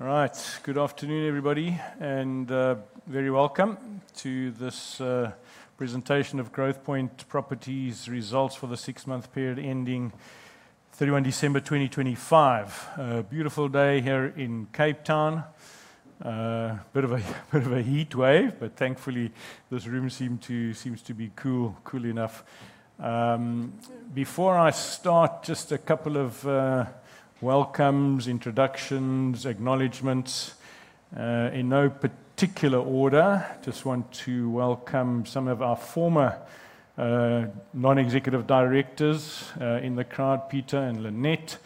All right. Good afternoon, everybody, and very welcome to this presentation of Growthpoint Properties results for the 6 month period ending 31 December 2025. A beautiful day here in Cape Town. A bit of a heat wave, but thankfully, this room seems to be cool enough. Before I start, just a couple of welcomes, introductions, acknowledgements. In no particular order, just want to welcOme some of our former non-executive directors in the crowd, Peter and Lynette.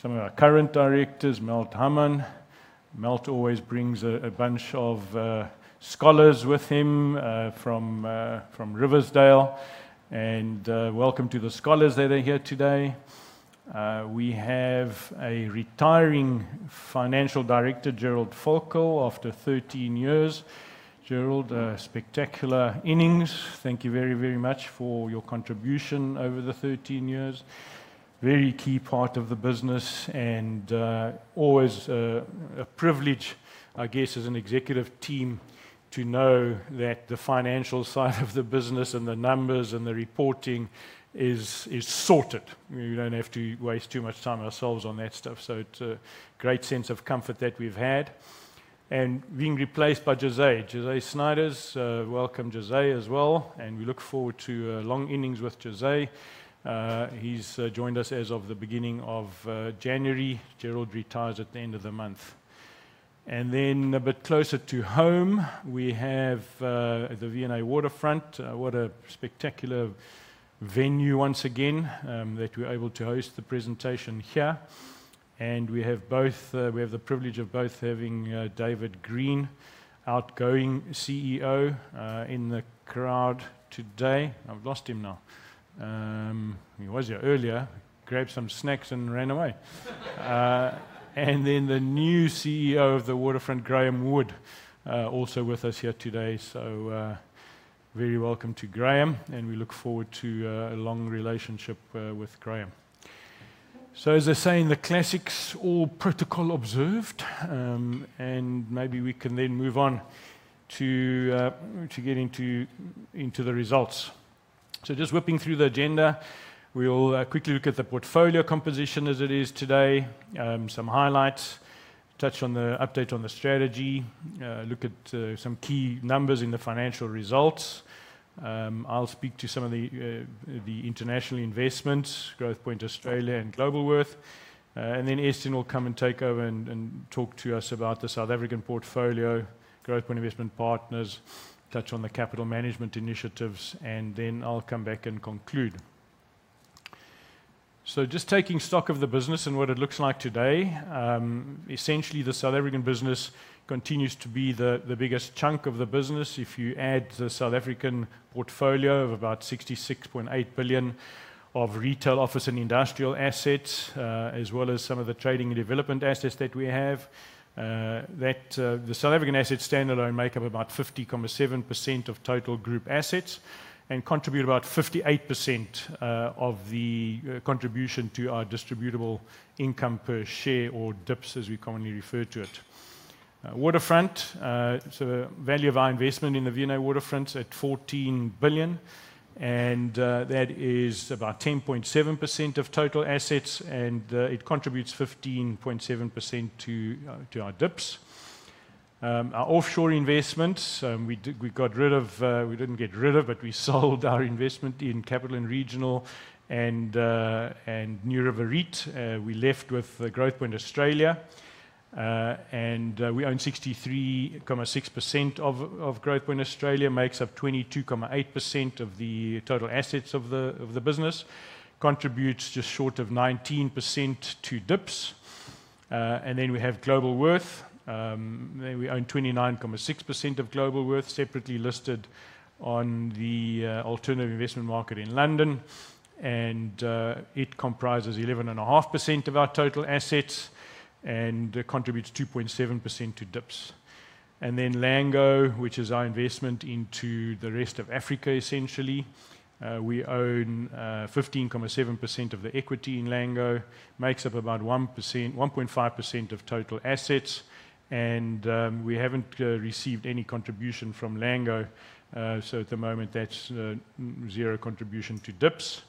Some of our current directors, Melt Hamman. Melt always brings a bunch of scholars with him from Riversdale. Welcome to the scholars that are here today. We have a retiring Financial Director, Gerald Völkel, after 13 years. Gerald, a spectacular innings. Thank you very, very much for your contribution over the 13 years. Very key part of the business and, always, a privilege, I guess, as an executive team, to know that the financial side of the business and the numbers and the reporting is sorted. We don't have to waste too much time ourselves on that stuff. It's a great sense of comfort that we've had. Being replaced by Josée. Josée Snyders. Welcome, Josée, as well, and we look forward to long innings with Josée. He's joined us as of the beginning of January. Gerald retires at the end of the month. Then a bit closer to home, we have the V&A Waterfront. What a spectacular venue once again that we're able to host the presentation here. We have the privilege of both having David Green, outgoing CEO, in the crowd today. I've lost him now. He was here earlier, grabbed some snacks and ran away. Then the new CEO of the Waterfront, Graham Wood, also with us here today. Very welcome to Graham, and we look forward to a long relationship with Graham. As they say in the classics, all protocol observed, and maybe we can then move on to get into the results. Just whipping through the agenda, we'll quickly look at the portfolio composition as it is today, some highlights, touch on the update on the strategy, look at some key numbers in the financial results. I'll speak to some of the international investments, Growthpoint Australia, and Globalworth. Estienne will come and take over and talk to us about the South African portfolio, Growthpoint Investment Partners, touch on the capital management initiatives, and then I'll come back and conclude. Just taking stock of the business and what it looks like today. Essentially, the South African business continues to be the biggest chunk of the business. If you add the South African portfolio of about 66.8 billion of retail office and industrial assets, as well as some of the trading and development assets that we have. The South African assets stand alone make up about 50.7% of total group assets and contribute about 58% of the contribution to our distributable income per share or DIPS, as we commonly refer to it. Waterfront, so the value of our investment in the V&A Waterfront is at 14 billion, and that is about 10.7% of total assets, and it contributes 15.7% to our DIPS. Our offshore investment, we sold our investment in Capital & Regional and NewRiver REIT. We're left with Growthpoint Australia, and we own 63.6% of Growthpoint Australia. Makes up 22.8% of the total assets of the business. Contributes just short of 19% to DIPS. And then we have Globalworth. We own 29.6% of Globalworth, separately listed on the Alternative Investment Market in London. It comprises 11.5% of our total assets and contributes 2.7% to DIPS. Lango, which is our investment into the rest of Africa, essentially. We own 15.7% of the equity in Lango. Makes up about 1%-1.5% of total assets. We haven't received any contribution from Lango. So at the moment, that's zero contribution to DIPS.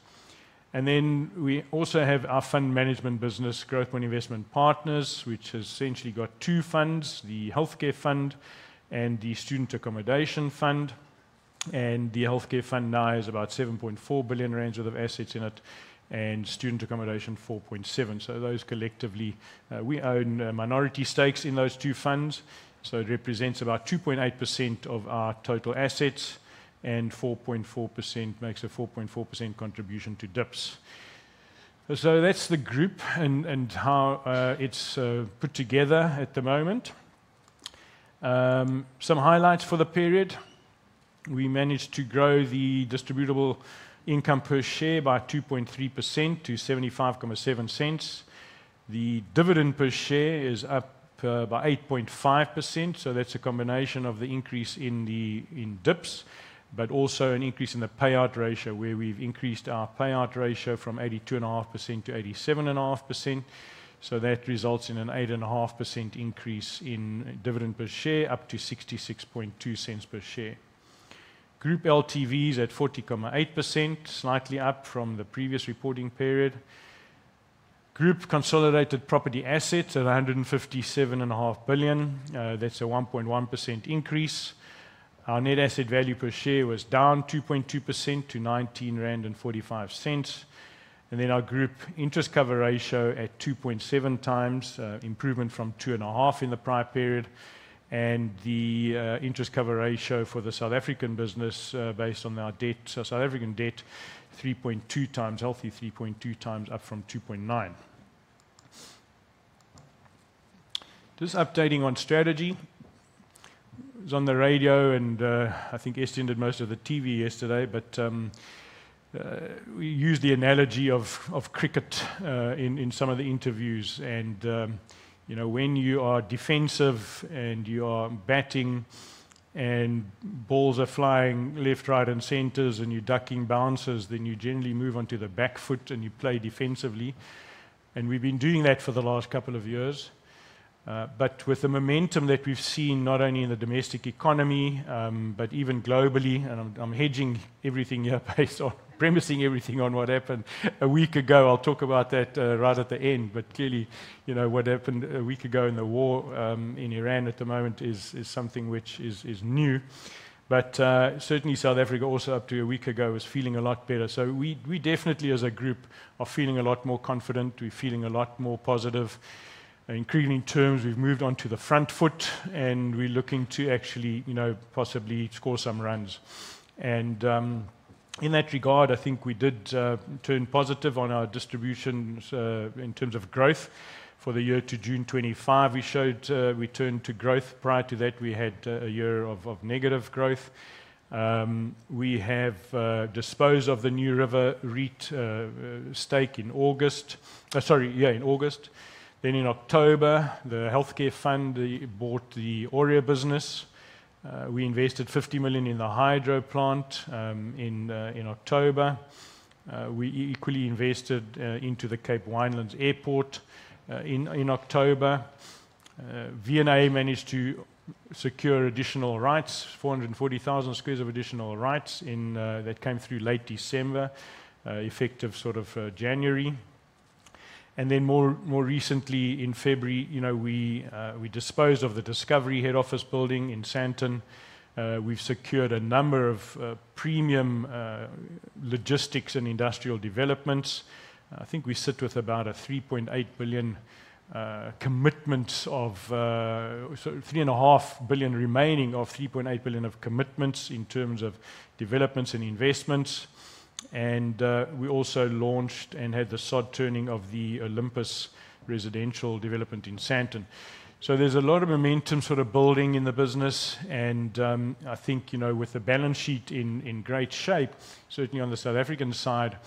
We also have our fund management business, Growthpoint Investment Partners, which has essentially got 2 funds, the Healthcare Fund and the Student Accommodation Fund. The Healthcare Fund now has about 7.4 billion rand worth of assets in it, and Student Accommodation, 4.7 billion. Those collectively, we own minority stakes in those 2 funds, so it represents about 2.8% of our total assets and 4.4%, makes a 4.4% contribution to DIPS. That's the group and how it's put together at the moment. Some highlights for the period. We managed to grow the distributable income per share by 2.3% to 0.757. The dividend per share is up by 8.5%, so that's a combination of the increase in DIPS, but also an increase in the payout ratio, where we've increased our payout ratio from 82.5% to 87.5%. That results in an 8.5% increase in dividend per share, up to 0.662 per share. Group LTV is at 40.8%, slightly up from the previous reporting period. Group consolidated property assets at 157.5 billion, that's a 1.1% increase. Our net asset value per share was down 2.2% to 19.45 rand. Our group interest cover ratio at 2.7 times, improvement from 2.5 in the prior period. Interest cover ratio for the South African business, based on our debt. South African debt, 3.2 times, healthy 3.2 times up from 2.9. Just updating on strategy. I was on the radio and, I think Estienne did most of the TV yesterday, but, we used the analogy of cricket in some of the interviews and, you know, when you are defensive and you are batting and balls are flying left, right and center and you're ducking bounces, then you generally move onto the back foot and you play defensively. We've been doing that for the last couple of years. With the momentum that we've seen not only in the domestic economy, but even globally, and I'm hedging everything here based on premising everything on what happened a week ago. I'll talk about that, right at the end. Clearly, you know, what happened a week ago in the war in Iran at the moment is something which is new. Certainly South Africa also up to a week ago was feeling a lot better. We definitely as a group are feeling a lot more confident. We're feeling a lot more positive. In cricket terms, we've moved on to the front foot and we're looking to actually, you know, possibly score some runs. In that regard, I think we did turn positive on our distributions in terms of growth. For the year to June 2025, we showed we turned to growth. Prior to that, we had a year of negative growth. We have disposed of the NewRiver REIT stake in August. Sorry, yeah, in August. Then in October, the healthcare fund they bought the Auria business. We invested 50 million in the hydro plant in October. We equally invested into the Cape Winelands Airport in October. V&A managed to secure additional rights, 440,000 squares of additional rights in that came through late December, effective sort of January. Then more recently in February, you know, we disposed of the Discovery head office building in Sandton. We've secured a number of premium logistics and industrial developments. I think we sit with about a 3.8 billion commitment of so 3.5 billion remaining of 3.8 billion of commitments in terms of developments and investments. We also launched and had the sod turning of the Olympus residential development in Sandton. There's a lot of momentum sort of building in the business. I think, you know, with the balance sheet in great shape, certainly on the South African side,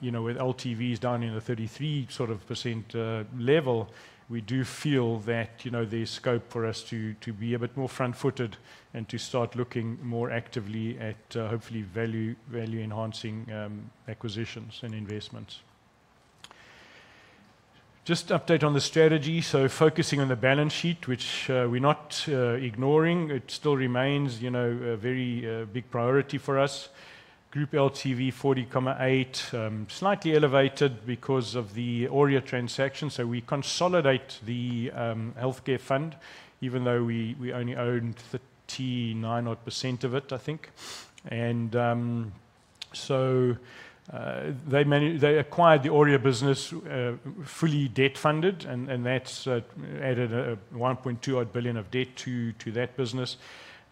you know, with LTVs down in the 33% sort of level, we do feel that, you know, there's scope for us to be a bit more front-footed and to start looking more actively at, hopefully value enhancing acquisitions and investments. Just update on the strategy. Focusing on the balance sheet, which we're not ignoring. It still remains, you know, a very big priority for us. Group LTV 40.8, slightly elevated because of the Auria transaction. We consolidate the healthcare fund, even though we only owned 39 odd% of it, I think. They acquired the Auria business, fully debt funded, and that's added 1.2 odd billion of debt to that business.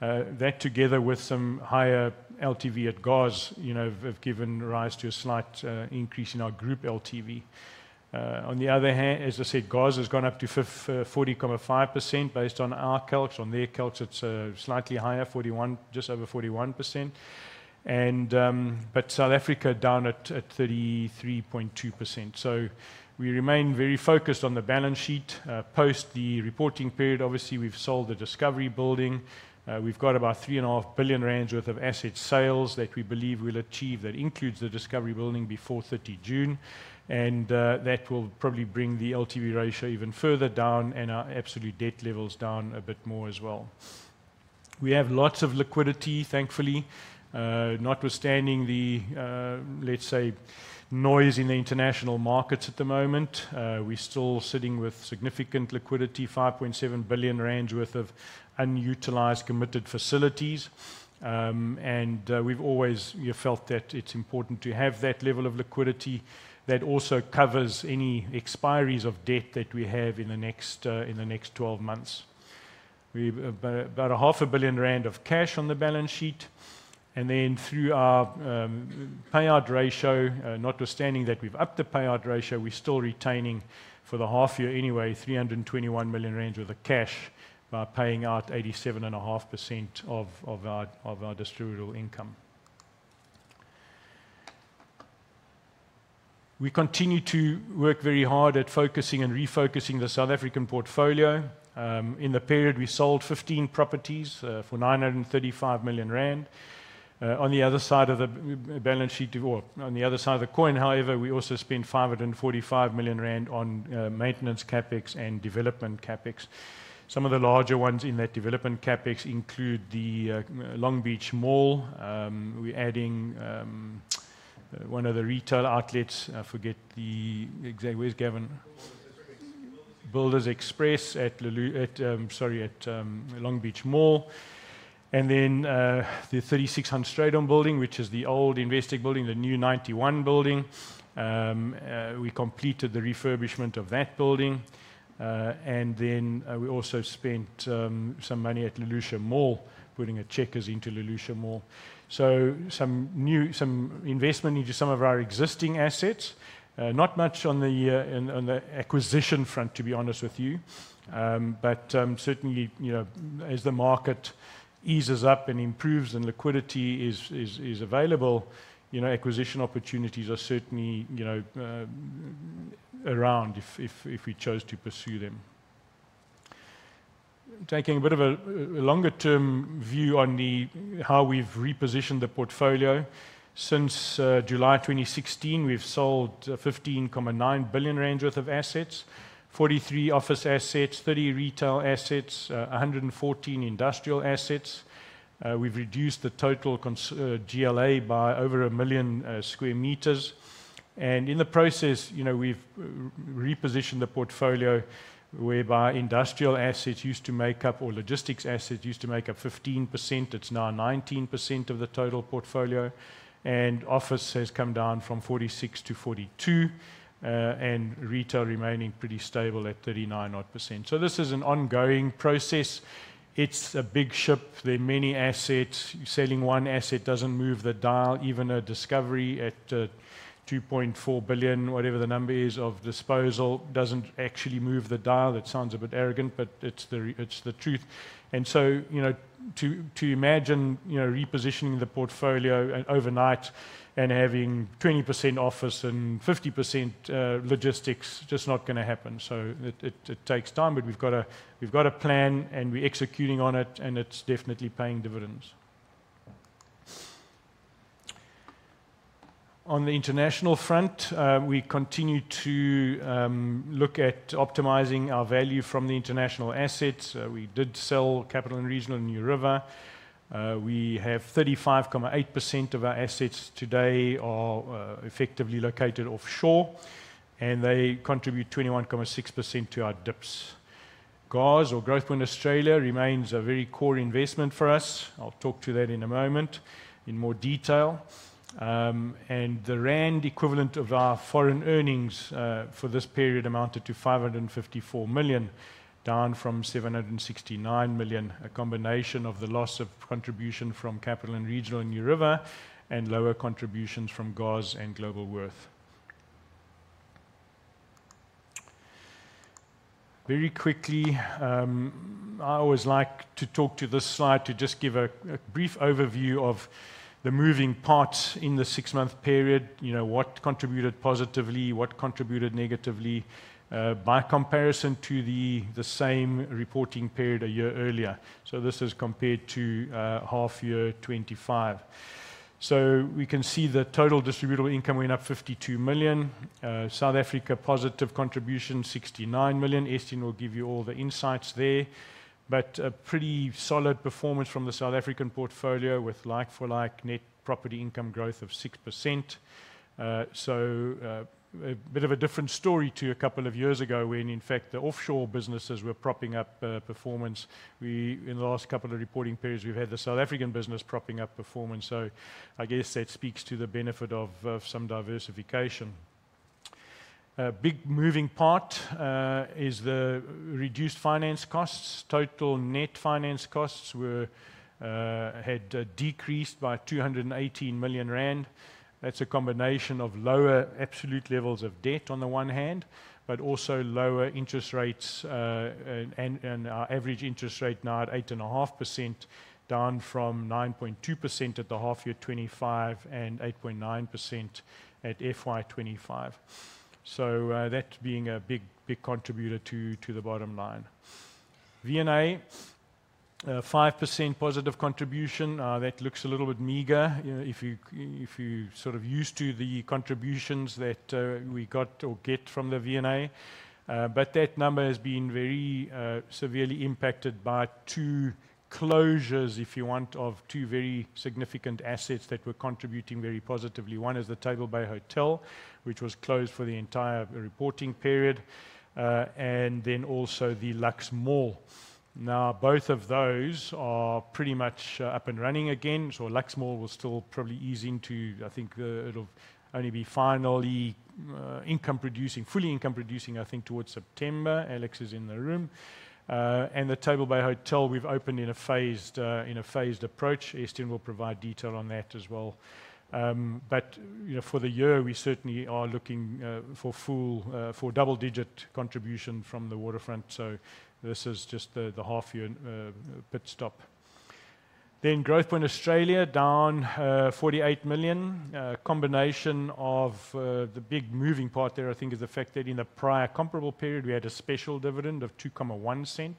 That together with some higher LTV at GOZ, you know, have given rise to a slight increase in our group LTV. On the other hand, as I said, GOZ has gone up to 40.5% based on our calcs. On their calcs, it's slightly higher, 41, just over 41%. South Africa down at 33.2%. We remain very focused on the balance sheet. Post the reporting period, obviously, we've sold the Discovery building. We've got about 3.5 billion rand worth of asset sales that we believe we'll achieve. That includes the Discovery building before 30 June. That will probably bring the LTV ratio even further down and our absolute debt levels down a bit more as well. We have lots of liquidity, thankfully. Notwithstanding the, let's say, noise in the international markets at the moment, we're still sitting with significant liquidity, 5.7 billion worth of unutilized committed facilities. We've always, you know, felt that it's important to have that level of liquidity that also covers any expiries of debt that we have in the next twelve months. We've about a half a billion rand of cash on the balance sheet. Through our payout ratio, notwithstanding that we've upped the payout ratio, we're still retaining for the half year anyway 321 million rand worth of cash by paying out 87.5% of our distributable income. We continue to work very hard at focusing and refocusing the South African portfolio. In the period, we sold 15 properties for 935 million rand. On the other side of the balance sheet or on the other side of the coin, however, we also spent 545 million rand on maintenance CapEx and development CapEx. Some of the larger ones in that development CapEx include the Longbeach Mall. We're adding one of the retail outlets. I forget the exact. Where's Gavin? Builders Express. Builders Express at Longbeach Mall. The 36 Hans Strijdom building, which is the old Investec building, the new 91 building. We completed the refurbishment of that building. We also spent some money at Lilliesleaf, putting a Checkers into Lilliesleaf. Some investment into some of our existing assets. Not much on the acquisition front, to be honest with you. Certainly, you know, as the market eases up and improves and liquidity is available, you know, acquisition opportunities are certainly, you know, around if we chose to pursue them. Taking a bit of a longer-term view on how we've repositioned the portfolio. Since July 2016, we've sold 15.9 billion rand worth of assets. 43 office assets, 30 retail assets, 114 industrial assets. We've reduced the total consolidated GLA by over 1 million square meters. In the process, we've repositioned the portfolio whereby industrial assets used to make up, or logistics assets used to make up 15%. It's now 19% of the total portfolio. Office has come down from 46% to 42%. Retail remaining pretty stable at 39%. This is an ongoing process. It's a big ship. There are many assets. Selling 1 asset doesn't move the dial. Even a Discovery at 2.4 billion, whatever the number is, of disposal doesn't actually move the dial. It sounds a bit arrogant, but it's the truth. You know, to imagine repositioning the portfolio overnight and having 20% office and 50% logistics, just not gonna happen. It takes time, but we've got a plan, and we're executing on it, and it's definitely paying dividends. On the international front, we continue to look at optimizing our value from the international assets. We did sell Capital & Regional and NewRiver REIT. We have 35.8% of our assets today are effectively located offshore, and they contribute 21.6% to our DIPS. GOZ or Growthpoint Properties Australia remains a very core investment for us. I'll talk to that in a moment in more detail. The rand equivalent of our foreign earnings for this period amounted to 554 million, down from 769 million. A combination of the loss of contribution from Capital & Regional and NewRiver and lower contributions from GOZ and Globalworth. Very quickly, I always like to talk to this slide to just give a brief overview of the moving parts in the 6 month period. You know, what contributed positively, what contributed negatively, by comparison to the same reporting period a year earlier. This is compared to half year 25. We can see the total distributable income went up 52 million. South Africa, positive contribution, 69 million. Estienne will give you all the insights there. A pretty solid performance from the South African portfolio with like for like net property income growth of 6%. A bit of a different story to a couple of years ago, when in fact, the offshore businesses were propping up performance. In the last couple of reporting periods, we've had the South African business propping up performance. I guess that speaks to the benefit of some diversification. A big moving part is the reduced finance costs. Total net finance costs had decreased by 218 million rand. That's a combination of lower absolute levels of debt on the one hand, but also lower interest rates, and our average interest rate now at 8.5%, down from 9.2% at the half year 2025 and 8.9% at FY 2025. That being a big contributor to the bottom line. V&A, 5% positive contribution. That looks a little bit meager, if you're sort of used to the contributions that we got or get from the V&A. But that number has been very severely impacted by 2 closures, if you want, of 2 very significant assets that were contributing very positively. 1 is The Table Bay Hotel, which was closed for the entire reporting period, and then also the Lux Mall. Now, both of those are pretty much up and running again. Lux Mall will still probably ease into, I think, it'll only be finally fully income producing, I think, towards September. Alex is in the room. The Table Bay Hotel, we've opened in a phased approach. Estienne will provide detail on that as well. You know, for the year, we certainly are looking for full double-digit contribution from the waterfront. This is just the half year pit stop. Growthpoint Australia, down 48 million. Combination of the big moving part there, I think, is the fact that in the prior comparable period, we had a special dividend of 0.021.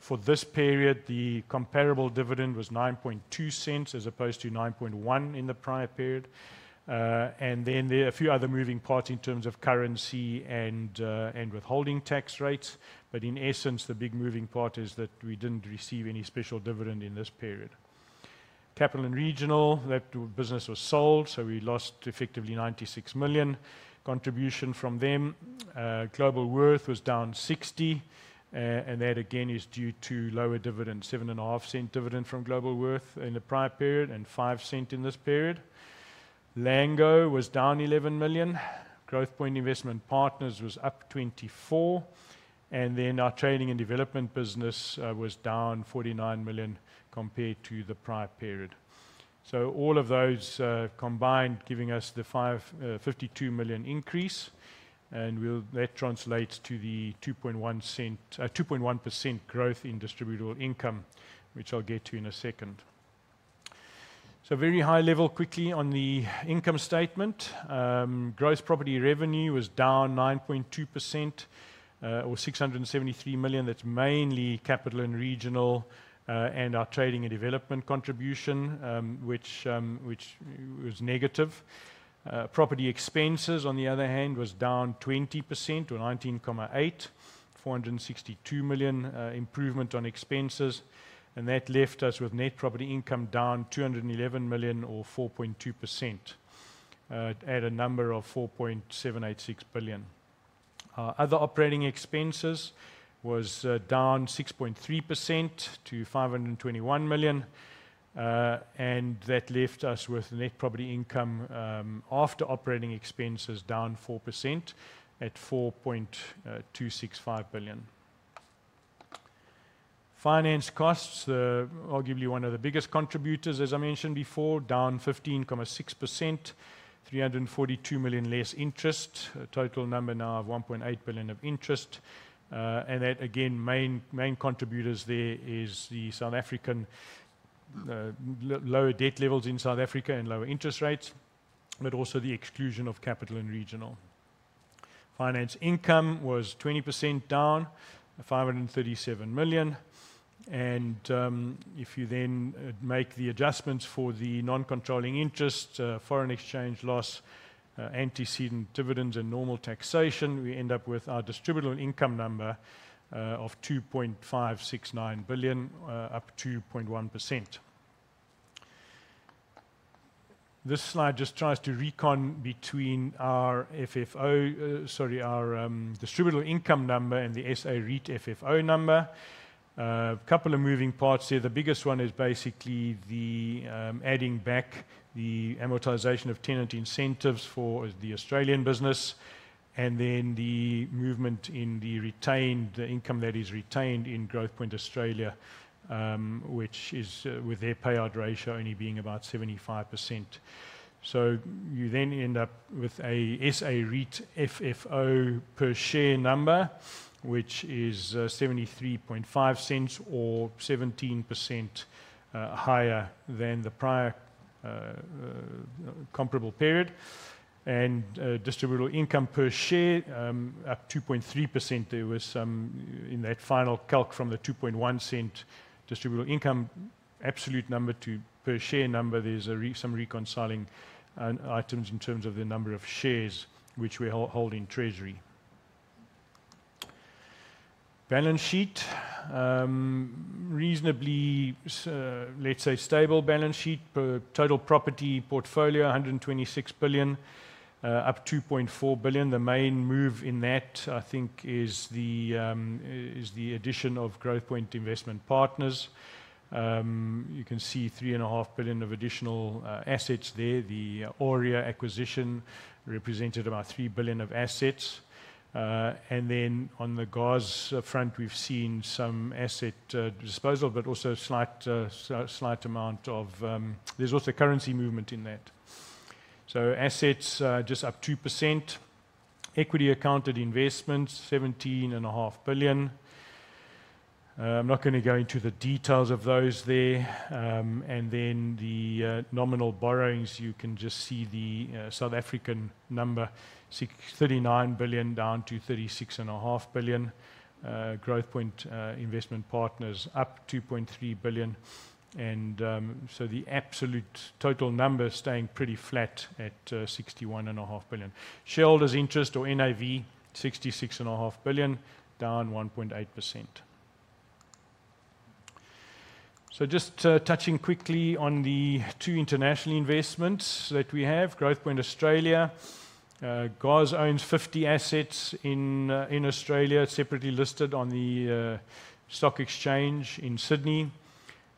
For this period, the comparable dividend was 0.092 as opposed to 0.091 in the prior period. And then there are a few other moving parts in terms of currency and withholding tax rates. In essence, the big moving part is that we didn't receive any special dividend in this period. Capital & Regional, that business was sold, so we lost effectively 96 million contribution from them. Globalworth was down 60 million, and that again is due to lower dividend, 7.5-cent dividend from Globalworth in the prior period and 5-cent in this period. Lango was down 11 million. Growthpoint Investment Partners was up 24 million. Our trading and development business was down 49 million compared to the prior period. All of those combined giving us the 552 million increase, and that translates to the 2.1% growth in distributable income, which I'll get to in a second. Very high level quickly on the income statement. Gross property revenue was down 9.2%, or 673 million. That's mainly Capital & Regional and our trading and development contribution, which was negative. Property expenses, on the other hand, was down 20% or 198.462 million, improvement on expenses. That left us with net property income down 211 million or 4.2%, at a number of 4.786 billion. Our other operating expenses was down 6.3% to 521 million. That left us with net property income after operating expenses down 4% at 4.265 billion. Finance costs arguably one of the biggest contributors, as I mentioned before, down 15.6%, 342 million less interest. Total number now of 1.8 billion of interest. That again, main contributors there is the South African lower debt levels in South Africa and lower interest rates, but also the exclusion of Capital & Regional. Finance income was 20% down, 537 million. If you then make the adjustments for the non-controlling interest, foreign exchange loss, antecedent dividends and normal taxation, we end up with our distributable income number of 2.569 billion, up 2.1%. This slide just tries to reconcile between our FFO, sorry, our distributable income number and the SA REIT FFO number. A couple of moving parts there. The biggest one is basically the adding back the amortization of tenant incentives for the Australian business and then the movement in the retained income that is retained in Growthpoint Australia, which is with their payout ratio only being about 75%. You then end up with a SA REIT FFO per share number, which is 0.735 or 17% higher than the prior comparable period. Distributable income per share up 2.3%. There was some in that final calc from the 2.1 cents distributable income absolute number to per share number. There's some reconciling items in terms of the number of shares which we hold in treasury. Balance sheet. Reasonably let's say stable balance sheet. Our total property portfolio, 126 billion, up 2.4 billion. The main move in that, I think, is the addition of Growthpoint Investment Partners. You can see 3.5 billion of additional assets there. The Oria acquisition represented about 3 billion of assets. And then on the GAV front, we've seen some asset disposal, but also slight amount of currency movement in that. Assets just up 2%. Equity accounted investments, 17.5 billion. I'm not gonna go into the details of those there. Then the nominal borrowings, you can just see the South African number, 63.9 billion down to 36.5 billion. Growthpoint Investment Partners up 2.3 billion. The absolute total number staying pretty flat at 61.5 billion. Shareholders' interest or NAV, 66.5 billion, down 1.8%. Just touching quickly on the 2 international investments that we have. Growthpoint Properties Australia owns 50 assets in Australia. It's separately listed on the stock exchange in Sydney.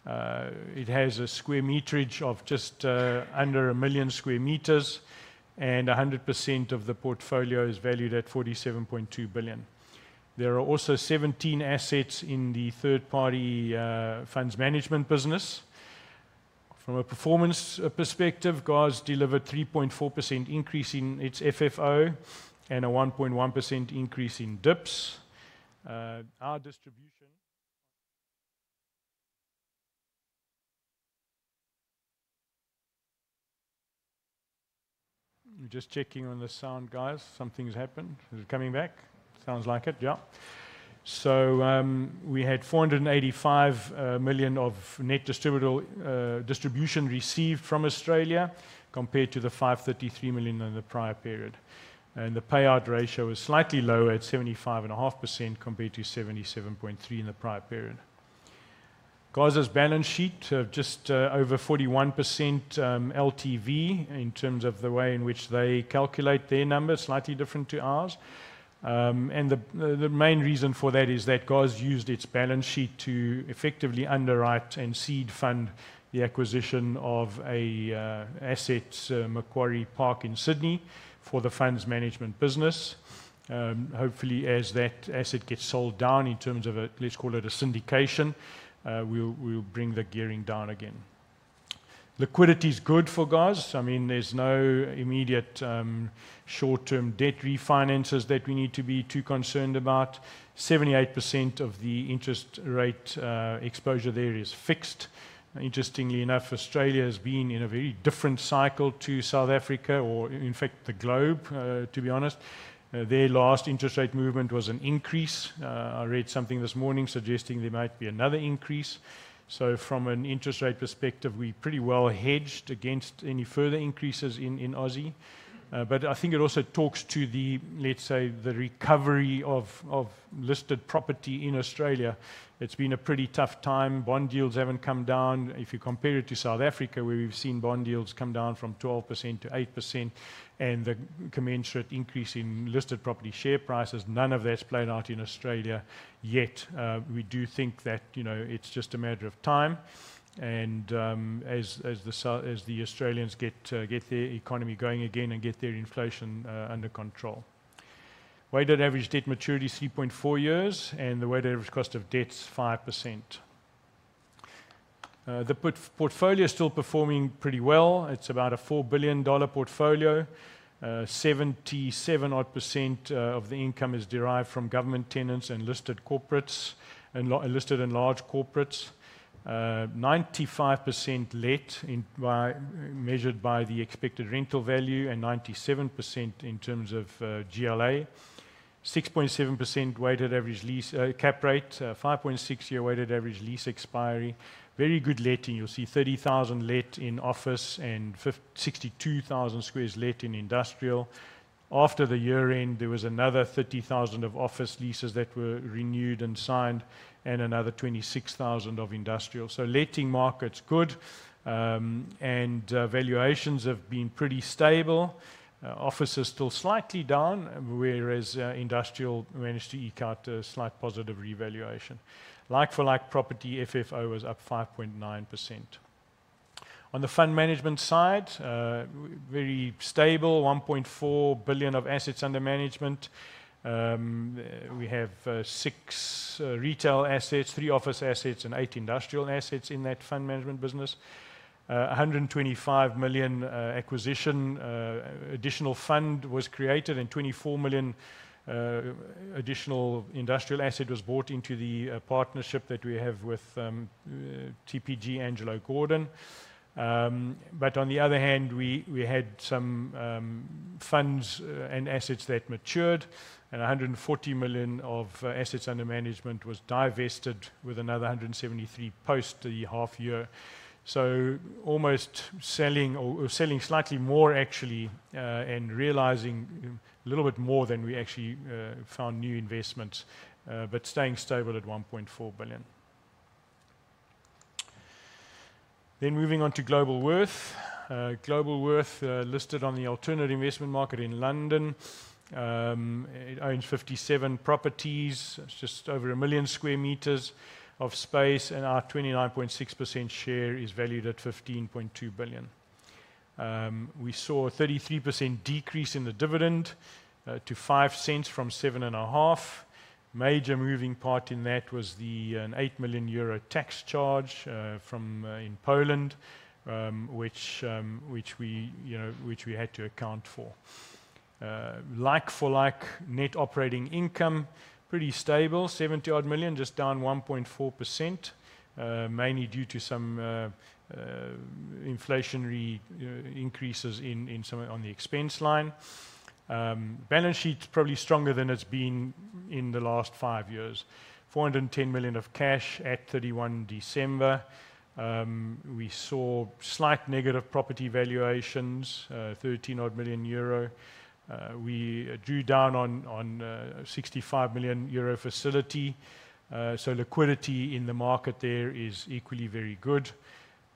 It has a square meterage of just under 1 million square meters, and 100% of the portfolio is valued at 47.2 billion. There are also 17 assets in the third-party funds management business. From a performance perspective, GPA's delivered 3.4% increase in its FFO and a 1.1% increase in DIPS. I'm just checking on the sound, guys. Something's happened. Is it coming back? Sounds like it. Yeah. We had 485 million of net distributable distribution received from Australia compared to the 533 million in the prior period. The payout ratio is slightly lower at 75.5% compared to 77.3% in the prior period. GOZ's balance sheet, just over 41% LTV in terms of the way in which they calculate their numbers, slightly different to ours. The main reason for that is that GOZ used its balance sheet to effectively underwrite and seed fund the acquisition of an asset, Macquarie Park in Sydney for the funds management business. Hopefully, as that asset gets sold down in terms of, let's call it a syndication, we'll bring the gearing down again. Liquidity is good for GOZ. I mean, there's no immediate short-term debt refinances that we need to be too concerned about. 78% of the interest rate exposure there is fixed. Interestingly enough, Australia has been in a very different cycle to South Africa or in fact the globe, to be honest. Their last interest rate movement was an increase. I read something this morning suggesting there might be another increase. From an interest rate perspective, we pretty well hedged against any further increases in Aussie. But I think it also talks to the, let's say, the recovery of listed property in Australia. It's been a pretty tough time. Bond yields haven't come down. If you compare it to South Africa, where we've seen bond yields come down from 12% to 8% and the commensurate increase in listed property share prices, none of that's played out in Australia yet. We do think that, you know, it's just a matter of time and as the Australians get their economy going again and get their inflation under control. Weighted average debt maturity is 3.4 years, and the weighted average cost of debt is 5%. The portfolio is still performing pretty well. It's about a 4 billion dollar portfolio. 77-odd% of the income is derived from government tenants and listed corporates and large corporates. 95% letting by, measured by the expected rental value and 97% in terms of GLA. 6.7% weighted average lease cap rate, 5.6-year weighted average lease expiry. Very good letting. You'll see 30,000 letting in office and 62,000 squares letting in industrial. After the year-end, there was another 30,000 of office leases that were renewed and signed and another 26,000 of industrial. Letting market's good, and valuations have been pretty stable. Office is still slightly down, whereas industrial managed to eke out a slight positive revaluation. Like for like property, FFO was up 5.9%. On the fund management side, very stable, 1.4 billion of assets under management. We have 6 retail assets,3 office assets, and 8 industrial assets in that fund management business. 125 million acquisition, additional fund was created and 24 million additional industrial asset was brought into the partnership that we have with TPG Angelo Gordon. On the other hand, we had some funds and assets that matured and 140 million of assets under management was divested with another 173 million post the half year. Almost selling or selling slightly more actually and realizing a little bit more than we actually found new investments but staying stable at 1.4 billion. Moving on to Globalworth. Globalworth listed on AIM in London. It owns 57 properties. It's just over 1 million square meters of space, and our 29.6% share is valued at 15.2 billion. We saw a 33% decrease in the dividend to 0.05 from 0.075. Major moving part in that was an 8 million euro tax charge from in Poland, which we, you know, had to account for. Like for like, net operating income, pretty stable, 70-odd million, just down 1.4%, mainly due to some inflationary increases in some on the expense line. Balance sheet's probably stronger than it's been in the last 5 years. 410 million of cash at 31 December. We saw slight negative property valuations, 13-odd million euro. We drew down on 65 million euro facility. So liquidity in the market there is equally very good.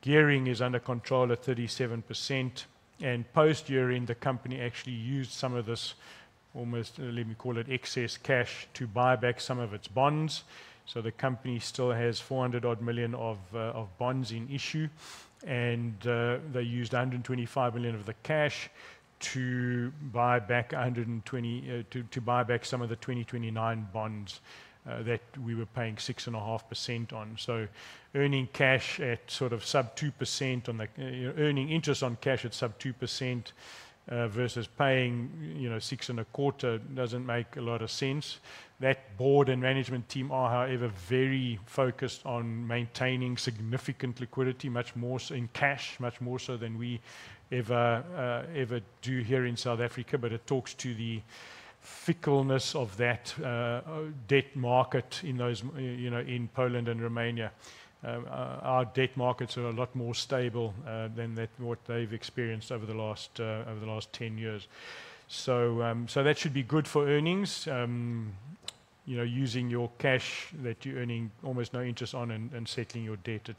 Gearing is under control at 37%. Post-year end, the company actually used some of this almost, let me call it, excess cash to buy back some of its bonds. The company still has 400-odd million of bonds in issue, and they used 125 million of the cash to buy back some of the 2029 bonds that we were paying 6.5% on. Earning interest on cash at sub 2% versus paying, you know, 6.25% doesn't make a lot of sense. The board and management team are, however, very focused on maintaining significant liquidity, much more so in cash, much more so than we ever do here in South Africa. It talks to the fickleness of that debt market in those, you know, in Poland and Romania. Our debt markets are a lot more stable than that, what they've experienced over the last 10 years. That should be good for earnings. You know, using your cash that you're earning almost no interest on and settling your debt at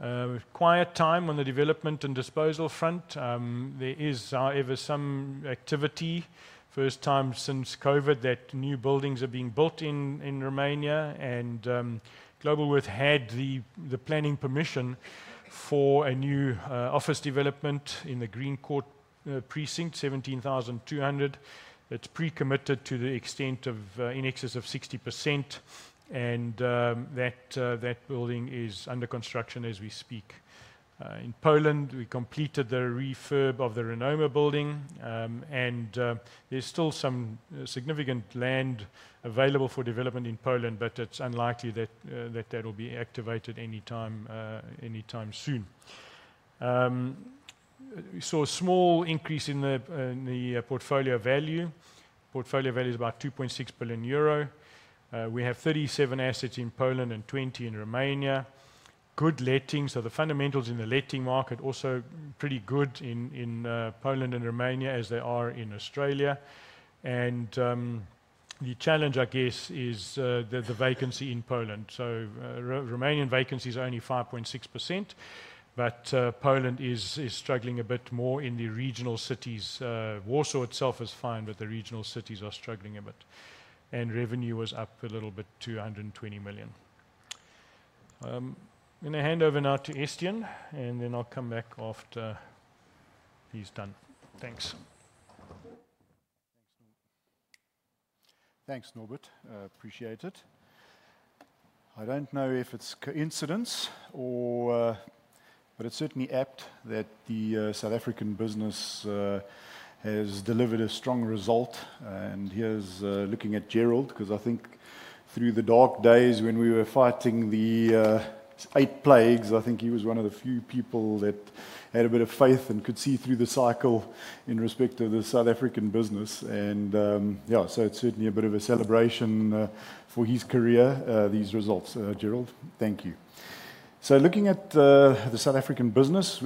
6.25%. Quiet time on the development and disposal front. There is, however, some activity. First time since COVID that new buildings are being built in Romania. Globalworth had the planning permission for a new office development in the Green Court precinct, 17,200. It's pre-committed to the extent of in excess of 60%. That building is under construction as we speak. In Poland, we completed the refurb of the Renoma Building. There's still some significant land available for development in Poland, but it's unlikely that that'll be activated anytime soon. We saw a small increase in the portfolio value. Portfolio value is about 2.6 billion euro. We have 37 assets in Poland and 20 in Romania. Good lettings. The fundamentals in the letting market also pretty good in Poland and Romania as they are in Australia. The challenge, I guess, is the vacancy in Poland. Romanian vacancy is only 5.6%, but Poland is struggling a bit more in the regional cities. Warsaw itself is fine, but the regional cities are struggling a bit. Revenue was up a little bit to 120 million. I'm gonna hand over now to Estienne, and then I'll come back after he's done. Thanks. Thanks, Norbert. Appreciate it. I don't know if it's coincidence or. It's certainly apt that the South African business has delivered a strong result. Here's looking at Gerald, 'cause I think through the dark days when we were fighting the 8 plagues, I think he was one of the few people that had a bit of faith and could see through the cycle in respect to the South African business. Yeah, it's certainly a bit of a celebration for his career these results. Gerald, thank you. Looking at the South African business,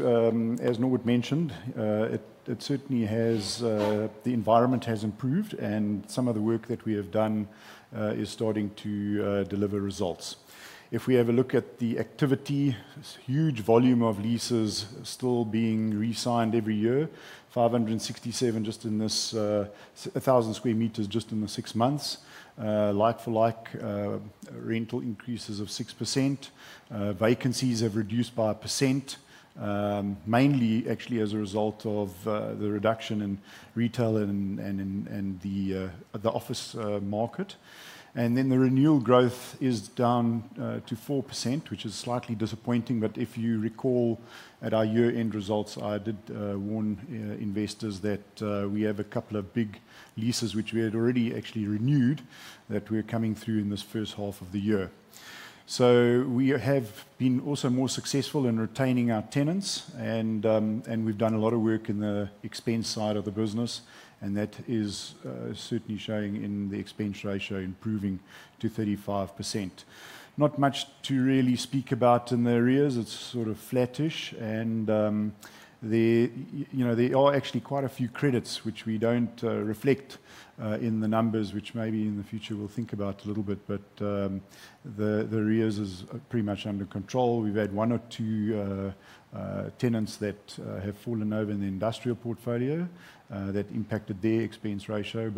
as Norbert mentioned, it certainly has. The environment has improved, and some of the work that we have done is starting to deliver results. If we have a look at the activity, this huge volume of leases still being re-signed every year, 567 just in this, 1,000 square meters just in the 6 months. Like for like, rental increases of 6%. Vacancies have reduced by 1%, mainly actually as a result of the reduction in retail and in the office market. Then the renewal growth is down to 4%, which is slightly disappointing. If you recall at our year-end results, I did warn investors that we have a couple of big leases, which we had already actually renewed, that were coming through in this first half of the year. We have been also more successful in retaining our tenants and we've done a lot of work in the expense side of the business, and that is certainly showing in the expense ratio improving to 35%. Not much to really speak about in the arrears. It's sort of flattish and you know there are actually quite a few credits which we don't reflect in the numbers, which maybe in the future we'll think about a little bit. The arrears is pretty much under control. We've had 1 or 2 tenants that have fallen over in the industrial portfolio that impacted their expense ratio.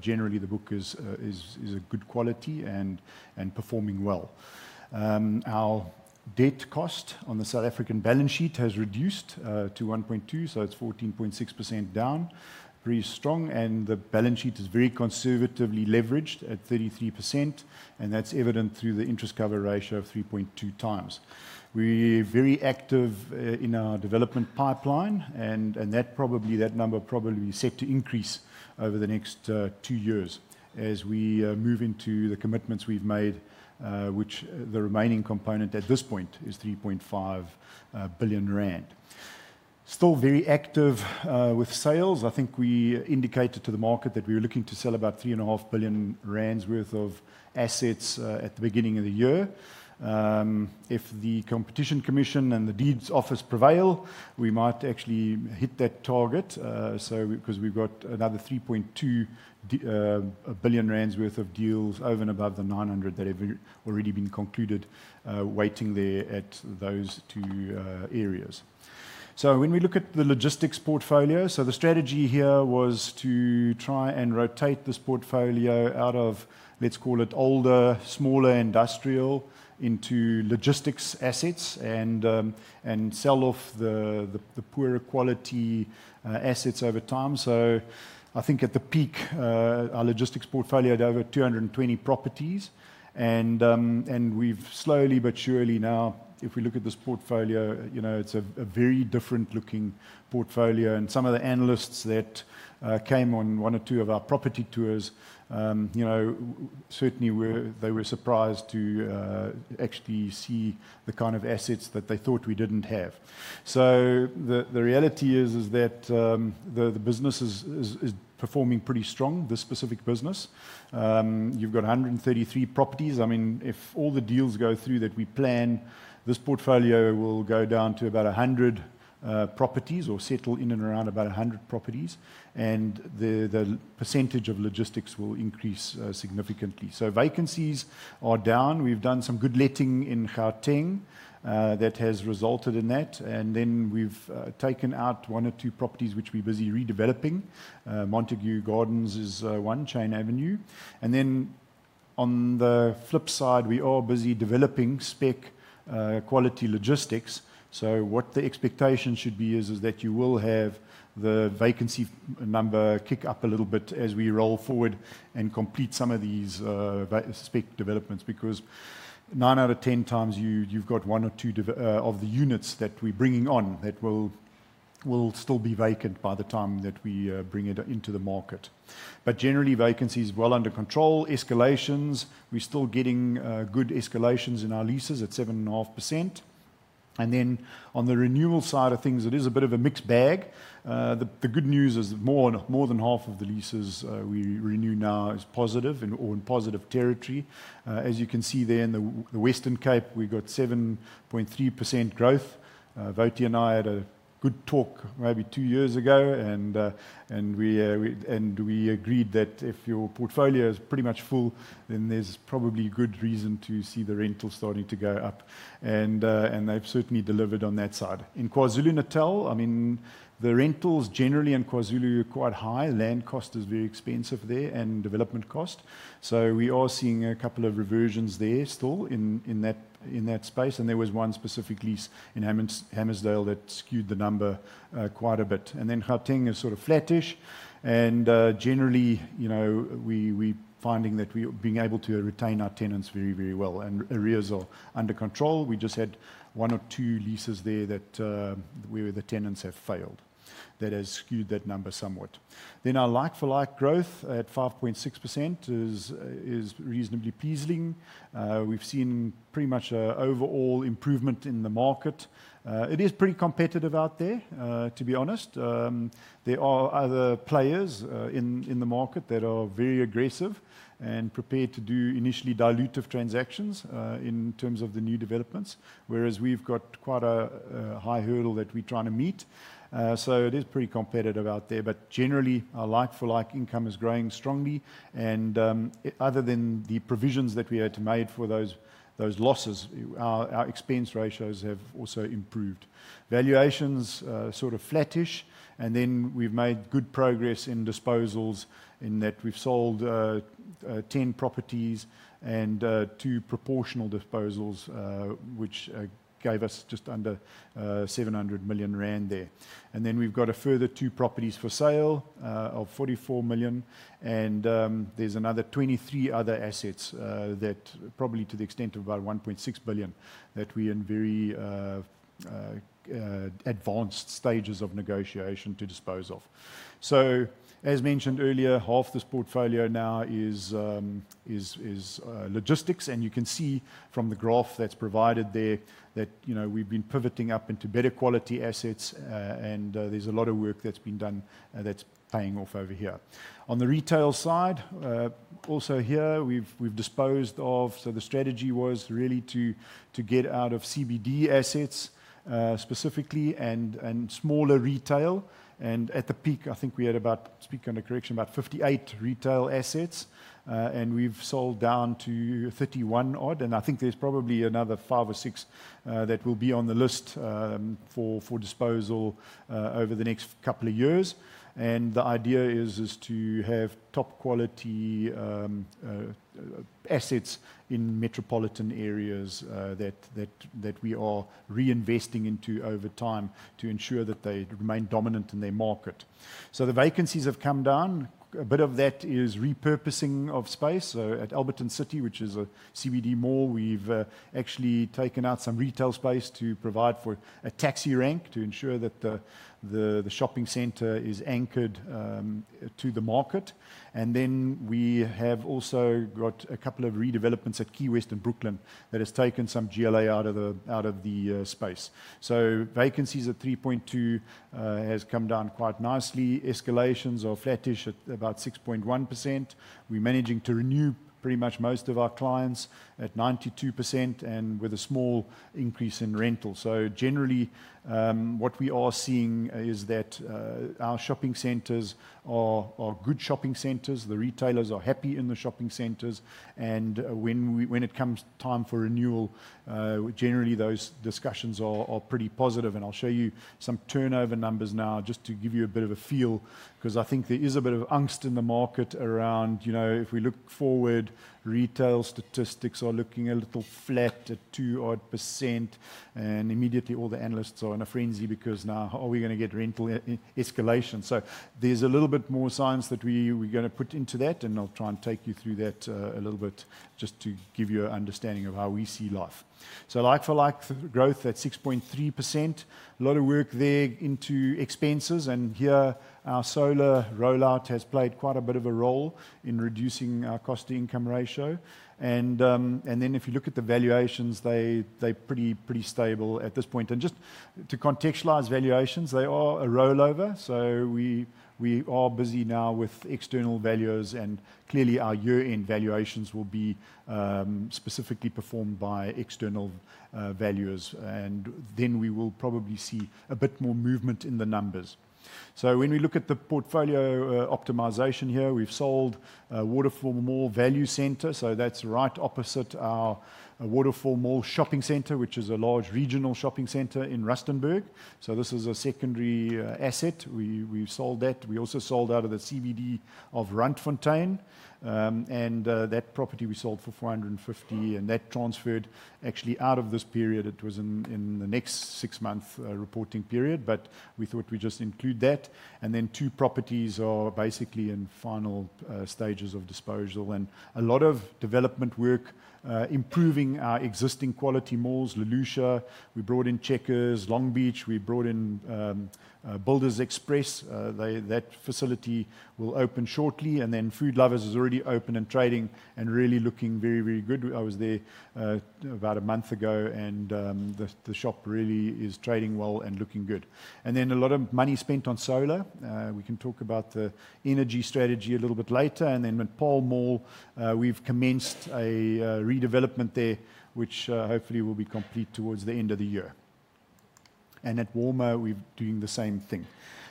Generally the book is a good quality and performing well. Our debt cost on the South African balance sheet has reduced to 1.2, so it's 14.6% down. Pretty strong. The balance sheet is very conservatively leveraged at 33%, and that's evident through the interest cover ratio of 3.2 times. We're very active in our development pipeline and that number is set to increase over the next 2 years as we move into the commitments we've made, which the remaining component at this point is 3.5 billion rand. Still very active with sales. I think we indicated to the market that we were looking to sell about 3.5 billion rand worth of assets at the beginning of the year. If the Competition Commission and the Deeds Office prevail, we might actually hit that target. Because we've got another 3.2 billion rand worth of deals over and above the 900 million that have already been concluded, waiting there at those 2 areas. When we look at the logistics portfolio, the strategy here was to try and rotate this portfolio out of, let's call it older, smaller industrial into logistics assets and sell off the poorer quality assets over time. I think at the peak, our logistics portfolio had over 220 properties. We've slowly but surely now, if we look at this portfolio, you know, it's a very different looking portfolio. Some of the analysts that came on 1 or 2 of our property tours, you know, certainly were surprised to actually see the kind of assets that they thought we didn't have. The reality is that the business is performing pretty strong, this specific business. You've got 133 properties. I mean, if all the deals go through that we plan, this portfolio will go down to about 100 properties or settle in and around about 100 properties, and the percentage of logistics will increase significantly. Vacancies are down. We've done some good letting in Gauteng that has resulted in that. We've taken out 1 or 2 properties which we're busy redeveloping. Montague Gardens is 1, Chain Avenue. Then on the flip side, we are busy developing spec quality logistics. What the expectation should be is that you will have the vacancy number kick up a little bit as we roll forward and complete some of these spec developments, because 9 out of 10 times, you've got 1 or 2 of the units that we're bringing on that will still be vacant by the time that we bring it into the market. Generally, vacancy is well under control. Escalations, we're still getting good escalations in our leases at 7.5%. On the renewal side of things, it is a bit of a mixed bag. The good news is more than half of the leases we renew now is positive and or in positive territory. As you can see there in the Western Cape, we've got 7.3% growth. Vote and I had a good talk maybe 2 years ago, and we agreed that if your portfolio is pretty much full, then there's probably good reason to see the rentals starting to go up. They've certainly delivered on that side. In KwaZulu-Natal, I mean, the rentals generally in KwaZulu are quite high. Land cost is very expensive there and development cost. We are seeing a couple of reversions there still in that space, and there was one specific lease in Hammersdale that skewed the number quite a bit. Gauteng is sort of flattish. Generally, you know, we finding that we are being able to retain our tenants very, very well and arrears are under control. We just had 1 or 2 leases there that where the tenants have failed. That has skewed that number somewhat. Our like-for-like growth at 5.6% is reasonably pleasing. We've seen pretty much an overall improvement in the market. It is pretty competitive out there, to be honest. There are other players in the market that are very aggressive and prepared to do initially dilutive transactions in terms of the new developments, whereas we've got quite a high hurdle that we're trying to meet. It is pretty competitive out there, but generally, our like-for-like income is growing strongly. Other than the provisions that we had to make for those losses, our expense ratios have also improved. Valuations sort of flattish. We've made good progress in disposals in that we've sold 10 properties and 2 proportional disposals, which gave us just under 700 million rand there. We've got a further 2 properties for sale of 44 million, and there's another 23 other assets that probably to the extent of about 1.6 billion that we are in very advanced stages of negotiation to dispose of. As mentioned earlier, half this portfolio now is logistics, and you can see from the graph that's provided there that, you know, we've been pivoting up into better quality assets, and there's a lot of work that's been done that's paying off over here. On the retail side, also here, we've disposed of. The strategy was really to get out of CBD assets, specifically and smaller retail. At the peak, I think we had about, speaking under correction, about 58 retail assets, and we've sold down to 31 odd, and I think there's probably another 5 or 6 that will be on the list for disposal over the next couple of years. The idea is to have top-quality assets in metropolitan areas that we are reinvesting into over time to ensure that they remain dominant in their market. The vacancies have come down. A bit of that is repurposing of space. At Alberton City, which is a CBD mall, we've actually taken out some retail space to provide for a taxi rank to ensure that the shopping center is anchored to the market. Then we have also got a couple of redevelopments at Key West and Brooklyn that has taken some GLA out of the space. Vacancies at 3.2% has come down quite nicely. Escalations are flattish at about 6.1%. We're managing to renew pretty much most of our clients at 92% and with a small increase in rental. Generally, what we are seeing is that our shopping centers are good shopping centers. The retailers are happy in the shopping centers, and when it comes time for renewal, generally, those discussions are pretty positive. I'll show you some turnover numbers now just to give you a bit of a feel, 'cause I think there is a bit of angst in the market around, you know, if we look forward, retail statistics are looking a little flat at 2%-odd, and immediately all the analysts are in a frenzy because now how are we gonna get rental escalation? There's a little bit more science that we're gonna put into that, and I'll try and take you through that a little bit just to give you an understanding of how we see life. Like for like growth at 6.3%. A lot of work there into expenses, and here our solar rollout has played quite a bit of a role in reducing our cost-to-income ratio. Then if you look at the valuations, they're pretty stable at this point. Just to contextualize valuations, they are a rollover. We're busy now with external valuers and clearly our year-end valuations will be specifically performed by external valuers, and then we will probably see a bit more movement in the numbers. When we look at the portfolio optimization here, we've sold Waterfall Mall Value Centre, so that's right opposite our Waterfall Mall shopping center, which is a large regional shopping center in Rustenburg. This is a secondary asset. We've sold that. We also sold out of the CBD of Randfontein. That property we sold for 450, and that transferred actually out of this period. It was in the next 6 month reporting period, but we thought we'd just include that. 2 properties are basically in final stages of disposal and a lot of development work improving our existing quality malls. Lilliesleaf, we brought in Checkers. Longbeach, we brought in Builders Express. That facility will open shortly. Food Lover's Market has already opened and trading and really looking very, very good. I was there about a month ago and the shop really is trading well and looking good. A lot of money spent on solar. We can talk about the energy strategy a little bit later. Middelburg Mall, we've commenced a redevelopment there which hopefully will be complete towards the end of the year. At Paarl Mall, we're doing the same thing.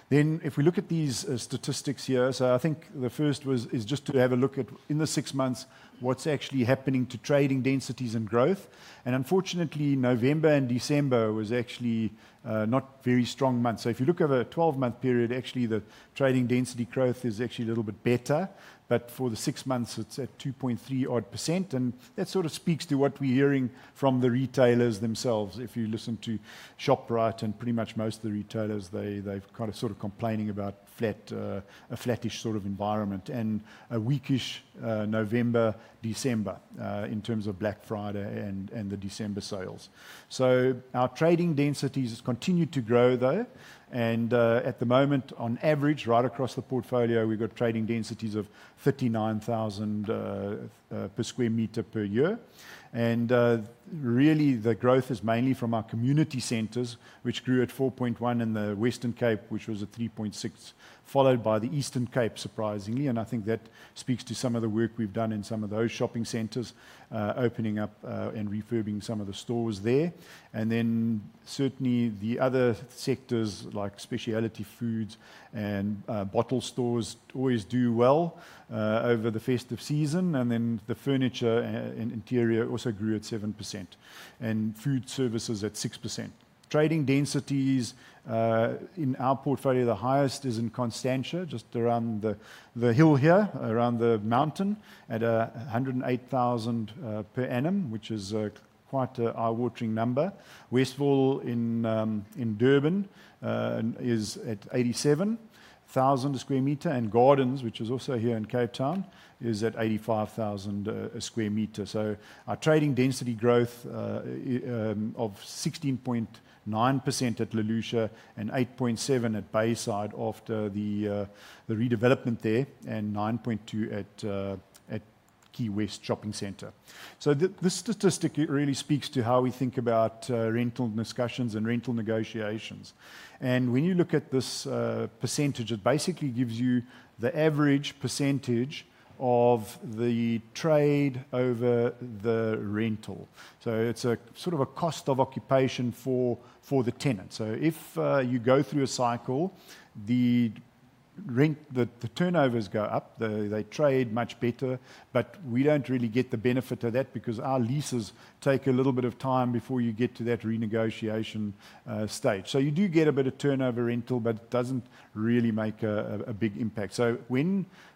If we look at these statistics here, I think the first is just to have a look at in the 6 months what's actually happening to trading densities and growth. Unfortunately, November and December was actually not very strong months. If you look over a 12-month period, actually, the trading density growth is actually a little bit better. For the 6 months, it's at 2.3 or so %, and that sort of speaks to what we're hearing from the retailers themselves. If you listen to Shoprite and pretty much most of the retailers, they've kind of sort of complaining about flat, a flattish sort of environment and a weakish November, December, in terms of Black Friday and the December sales. Our trading densities has continued to grow, though. At the moment, on average, right across the portfolio, we've got trading densities of 39,000 per square meter per year. Really the growth is mainly from our community centers, which grew at 4.1% in the Western Cape, which was at 3.6%, followed by the Eastern Cape, surprisingly. I think that speaks to some of the work we've done in some of those shopping centers, opening up and refurbishing some of the stores there. Then certainly the other sectors like specialty foods and bottle stores always do well over the festive season. Then the furniture and interior also grew at 7% and food services at 6%. Trading densities in our portfolio, the highest is in Constantia, just around the hill here, around the mountain at 108,000 per annum, which is quite an eye-watering number. Westville in Durban is at 87,000 per square meter. Montague Gardens, which is also here in Cape Town, is at 85,000 sq m. Our trading density growth of 16.9% at Lilliesleaf and 8.7% at Bayside Mall after the redevelopment there, and 9.2% at Key West Shopping Centre. This statistic really speaks to how we think about rental discussions and rental negotiations. When you look at this percentage, it basically gives you the average percentage of the trade over the rental. It's a sort of cost of occupation for the tenant. If you go through a cycle, the rent, the turnovers go up, they trade much better, but we don't really get the benefit of that because our leases take a little bit of time before you get to that renegotiation stage. You do get a bit of turnover rental, but it doesn't really make a big impact.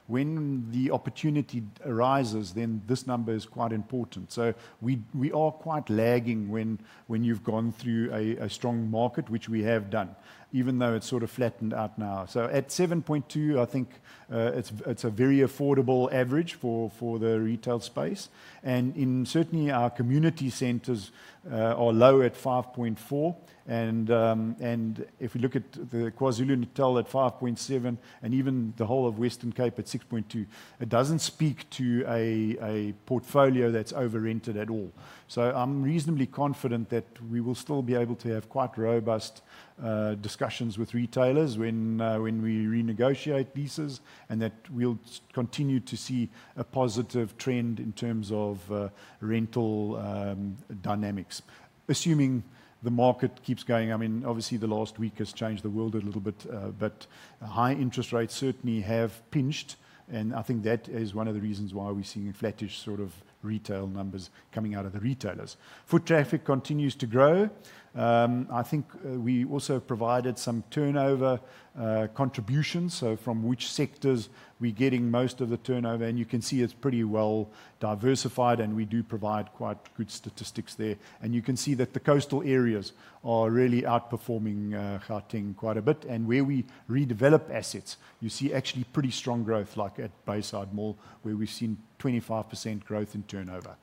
When the opportunity arises, then this number is quite important. We are quite lagging when you've gone through a strong market, which we have done, even though it's sort of flattened out now. At 7.2, I think, it's a very affordable average for the retail space. In certainly our community centers are low at 5.4. If we look at the KwaZulu-Natal at 5.7 and even the whole of Western Cape at 6.2, it doesn't speak to a portfolio that's over-rented at all. I'm reasonably confident that we will still be able to have quite robust discussions with retailers when we renegotiate leases, and that we'll continue to see a positive trend in terms of rental dynamics. Assuming the market keeps going, I mean, obviously the last week has changed the world a little bit, but high interest rates certainly have pinched, and I think that is one of the reasons why we're seeing flattish sort of retail numbers coming out of the retailers. Foot traffic continues to grow. I think we also provided some turnover contributions, so from which sectors we're getting most of the turnover, and you can see it's pretty well diversified and we do provide quite good statistics there. You can see that the coastal areas are really outperforming Gauteng quite a bit. Where we redevelop assets, you see actually pretty strong growth like at Bayside Mall, where we've seen 25% growth in turnover.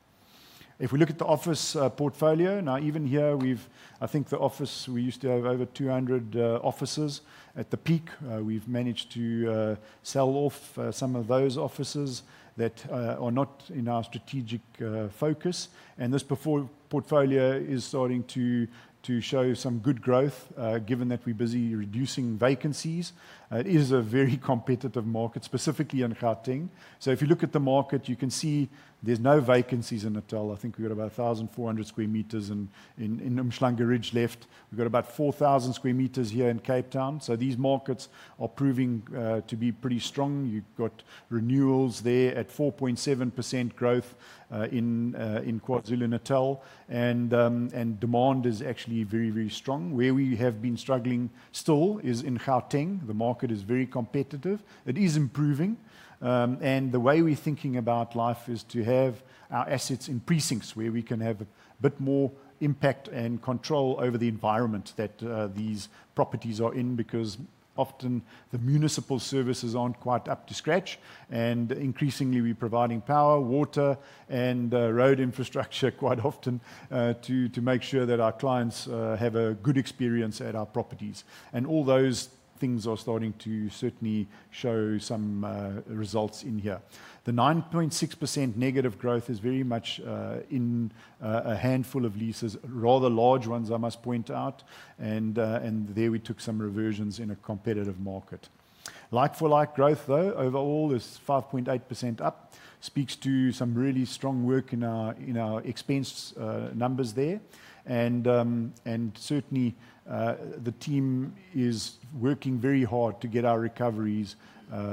If we look at the office portfolio, now even here we've I think the office, we used to have over 200 offices at the peak. We've managed to sell off some of those offices that are not in our strategic focus. This portfolio is starting to show some good growth, given that we're busy reducing vacancies. It is a very competitive market, specifically in Gauteng. If you look at the market, you can see there's no vacancies in Natal. I think we've got about 1,400 square meters in Umhlanga Ridge left. We've got about 4,000 square meters here in Cape Town. These markets are proving to be pretty strong. You've got renewals there at 4.7% growth in KwaZulu-Natal and demand is actually very, very strong. Where we have been struggling still is in Gauteng. The market is very competitive. It is improving. The way we're thinking about life is to have our assets in precincts where we can have a bit more impact and control over the environment that these properties are in, because often the municipal services aren't quite up to scratch. Increasingly, we're providing power, water, and road infrastructure quite often to make sure that our clients have a good experience at our properties. All those things are starting to certainly show some results in here. The 9.6% negative growth is very much in a handful of leases, rather large ones, I must point out. There we took some reversions in a competitive market. Like-for-like growth though, overall is 5.8% up, speaks to some really strong work in our expense numbers there. Certainly, the team is working very hard to get our recoveries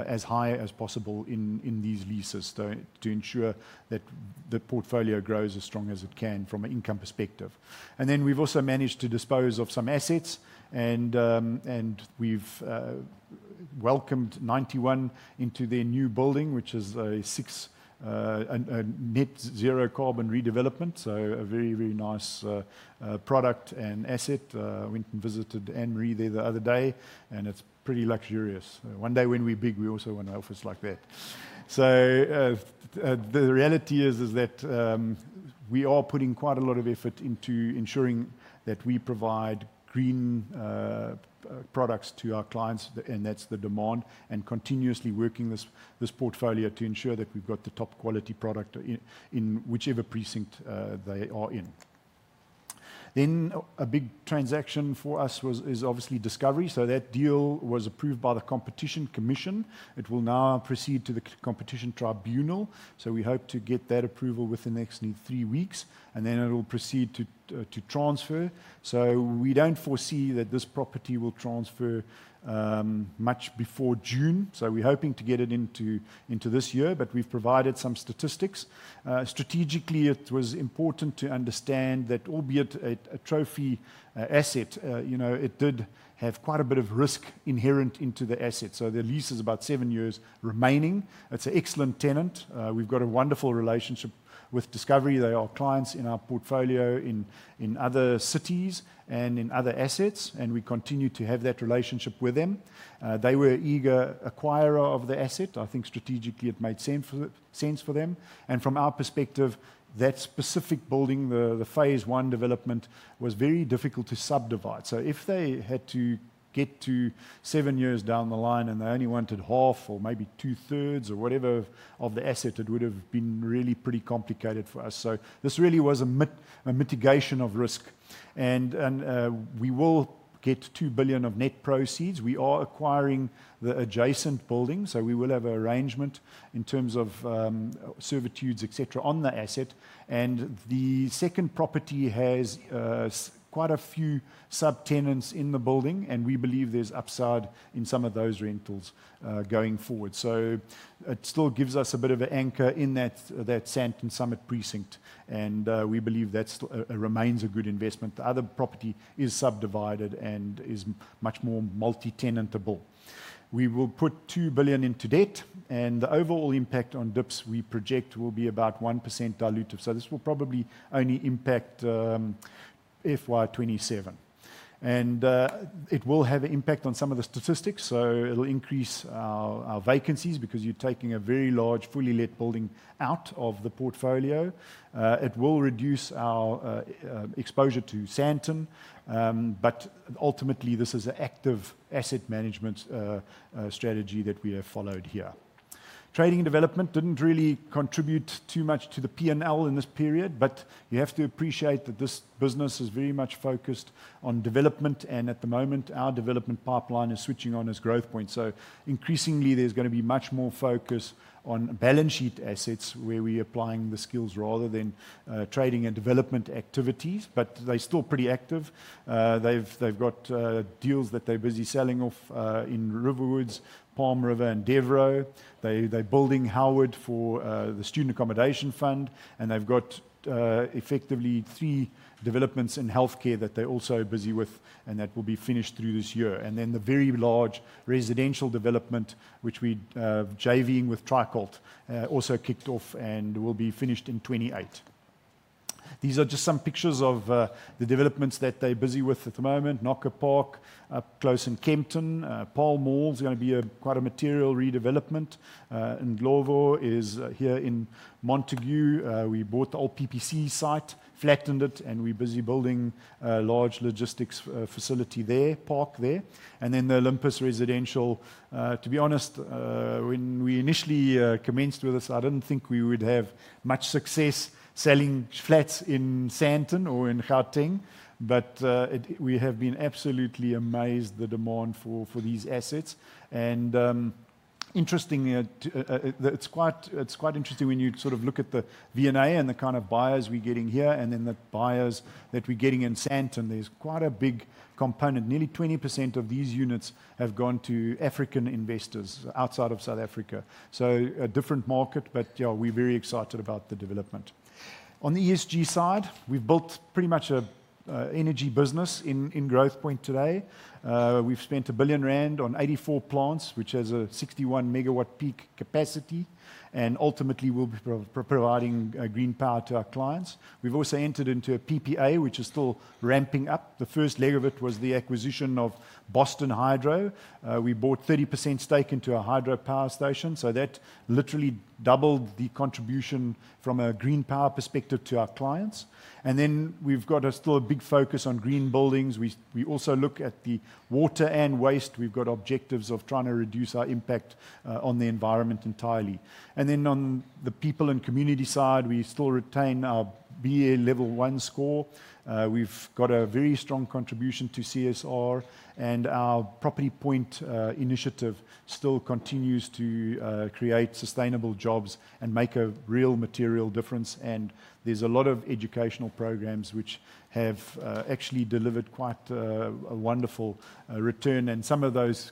as high as possible in these leases to ensure that the portfolio grows as strong as it can from an income perspective. Then we've also managed to dispose of some assets and we've welcomed 91 into their new building, which is a net zero carbon redevelopment, so a very, very nice product and asset. I went and visited Anne-Marie there the other day, and it's pretty luxurious. One day when we're big, we also want an office like that. The reality is that we are putting quite a lot of effort into ensuring that we provide green products to our clients, and that's the demand, and continuously working this portfolio to ensure that we've got the top quality product in whichever precinct they are in. A big transaction for us was obviously Discovery. That deal was approved by the Competition Commission. It will now proceed to the Competition Tribunal, so we hope to get that approval within the next 3 weeks, and then it'll proceed to transfer. We don't foresee that this property will transfer much before June, so we're hoping to get it into this year. We've provided some statistics. Strategically, it was important to understand that albeit a trophy asset, you know, it did have quite a bit of risk inherent in the asset. The lease is about 7 years remaining. It's an excellent tenant. We've got a wonderful relationship with Discovery. They are clients in our portfolio in other cities and in other assets, and we continue to have that relationship with them. They were eager acquirer of the asset. I think strategically it made sense for them. From our perspective, that specific building, the phase I development, was very difficult to subdivide. If they had to get to 7 years down the line, and they only wanted half or maybe 2/3 or whatever of the asset, it would have been really pretty complicated for us. This really was a mitigation of risk. We will get 2 billion of net proceeds. We are acquiring the adjacent building, so we will have an arrangement in terms of servitudes, et cetera, on the asset. The second property has quite a few subtenants in the building, and we believe there's upside in some of those rentals going forward. It still gives us a bit of an anchor in that Sandton Summit precinct, and we believe that's still remains a good investment. The other property is subdivided and is much more multi-tenantable. We will put 2 billion into debt, and the overall impact on DIPS we project will be about 1% dilutive, so this will probably only impact FY 2027. It will have impact on some of the statistics, so it'll increase our vacancies because you're taking a very large, fully let building out of the portfolio. It will reduce our exposure to Sandton, but ultimately this is an active asset management strategy that we have followed here. Trading and development didn't really contribute too much to the P&L in this period, but you have to appreciate that this business is very much focused on development, and at the moment, our development pipeline is switching on as Growthpoint. Increasingly, there's gonna be much more focus on balance sheet assets where we're applying the skills rather than trading and development activities. They're still pretty active. They've got deals that they're busy selling off in Riverwoods, Palm River, and De Vere. They're building Howard for the student accommodation fund, and they've got effectively 3 developments in healthcare that they're also busy with and that will be finished through this year. The very large residential development, which we're JV-ing with Tricolt, also kicked off and will be finished in 2028. These are just some pictures of the developments that they're busy with at the moment. Noka Park up close in Kempton. Paarl Mall's gonna be quite a material redevelopment. Indlovu is here in Montague. We bought the old PPC site, flattened it, and we're busy building a large logistics facility there, park there. Then the Olympus Residential, to be honest, when we initially commenced with this, I didn't think we would have much success selling flats in Sandton or in Gauteng, but we have been absolutely amazed the demand for these assets. Interestingly, it's quite interesting when you sort of look at the V&A and the kind of buyers we're getting here, and then the buyers that we're getting in Sandton. There's quite a big component. Nearly 20% of these units have gone to African investors outside of South Africa, so a different market. Yeah, we're very excited about the development. On the ESG side, we've built pretty much an energy business in Growthpoint today. We've spent 1 billion rand on 84 plants, which has a 61 MW peak capacity and ultimately will be providing green power to our clients. We've also entered into a PPA, which is still ramping up. The first leg of it was the acquisition of Boston Hydro. We bought 30% stake into a hydro power station, so that literally doubled the contribution from a green power perspective to our clients. We've got still a big focus on green buildings. We also look at the water and waste. We've got objectives of trying to reduce our impact on the environment entirely. On the people and community side, we still retain our B-BBEE level 1 score. We've got a very strong contribution to CSR, and our Property Point initiative still continues to create sustainable jobs and make a real material difference. There's a lot of educational programs which have actually delivered quite a wonderful return, and some of those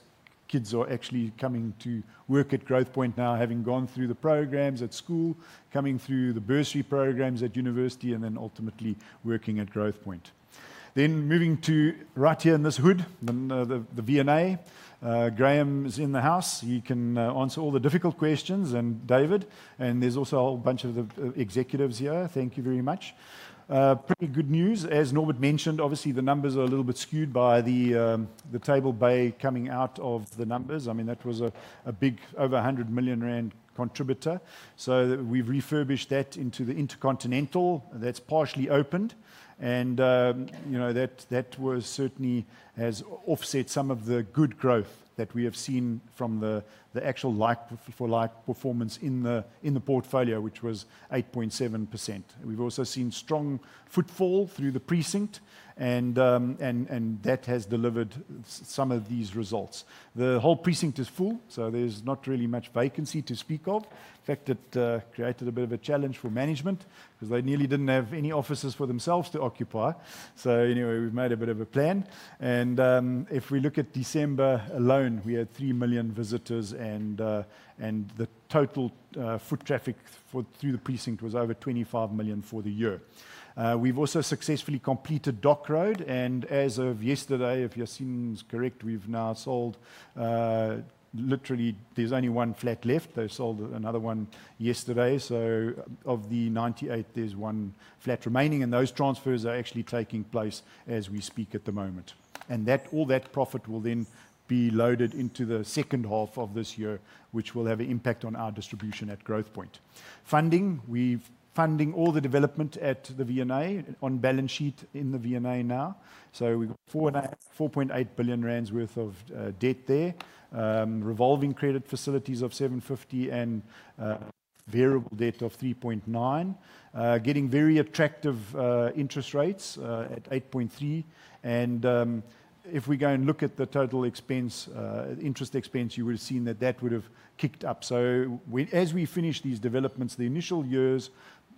kids are actually coming to work at Growthpoint now, having gone through the programs at school, coming through the bursary programs at university, and then ultimately working at Growthpoint. Moving to right here in this hood, the V&A. Graham is in the house. He can answer all the difficult questions, and David, and there's also a whole bunch of the executives here. Thank you very much. Pretty good news. As Norbert mentioned, obviously the numbers are a little bit skewed by the Table Bay coming out of the numbers. I mean, that was a big, over 100 million rand contributor. We've refurbished that into the InterContinental. That's partially opened. You know, that certainly has offset some of the good growth that we have seen from the actual like for like performance in the portfolio, which was 8.7%. We've also seen strong footfall through the precinct and that has delivered some of these results. The whole precinct is full, so there's not really much vacancy to speak of. In fact, it created a bit of a challenge for management 'cause they nearly didn't have any offices for themselves to occupy. We've made a bit of a plan and, if we look at December alone, we had 3 million visitors and the total foot traffic through the precinct was over 25 million for the year. We've also successfully completed Dock Road and as of yesterday, if Yasin's correct, we've now sold literally there's only 1 flat left. They've sold another 1 yesterday. Of the 98 there's 1 flat remaining, and those transfers are actually taking place as we speak at the moment. That, all that profit will then be loaded into the second half of this year, which will have an impact on our distribution at Growthpoint. Funding. We've funding all the development at the V&A on balance sheet in the V&A now. We've got 4.8 billion rand worth of debt there. Revolving credit facilities of 750 and variable debt of 3.9. Getting very attractive interest rates at 8.3%. If we go and look at the total expense, interest expense, you would've seen that would've kicked up. We, as we finish these developments, the initial years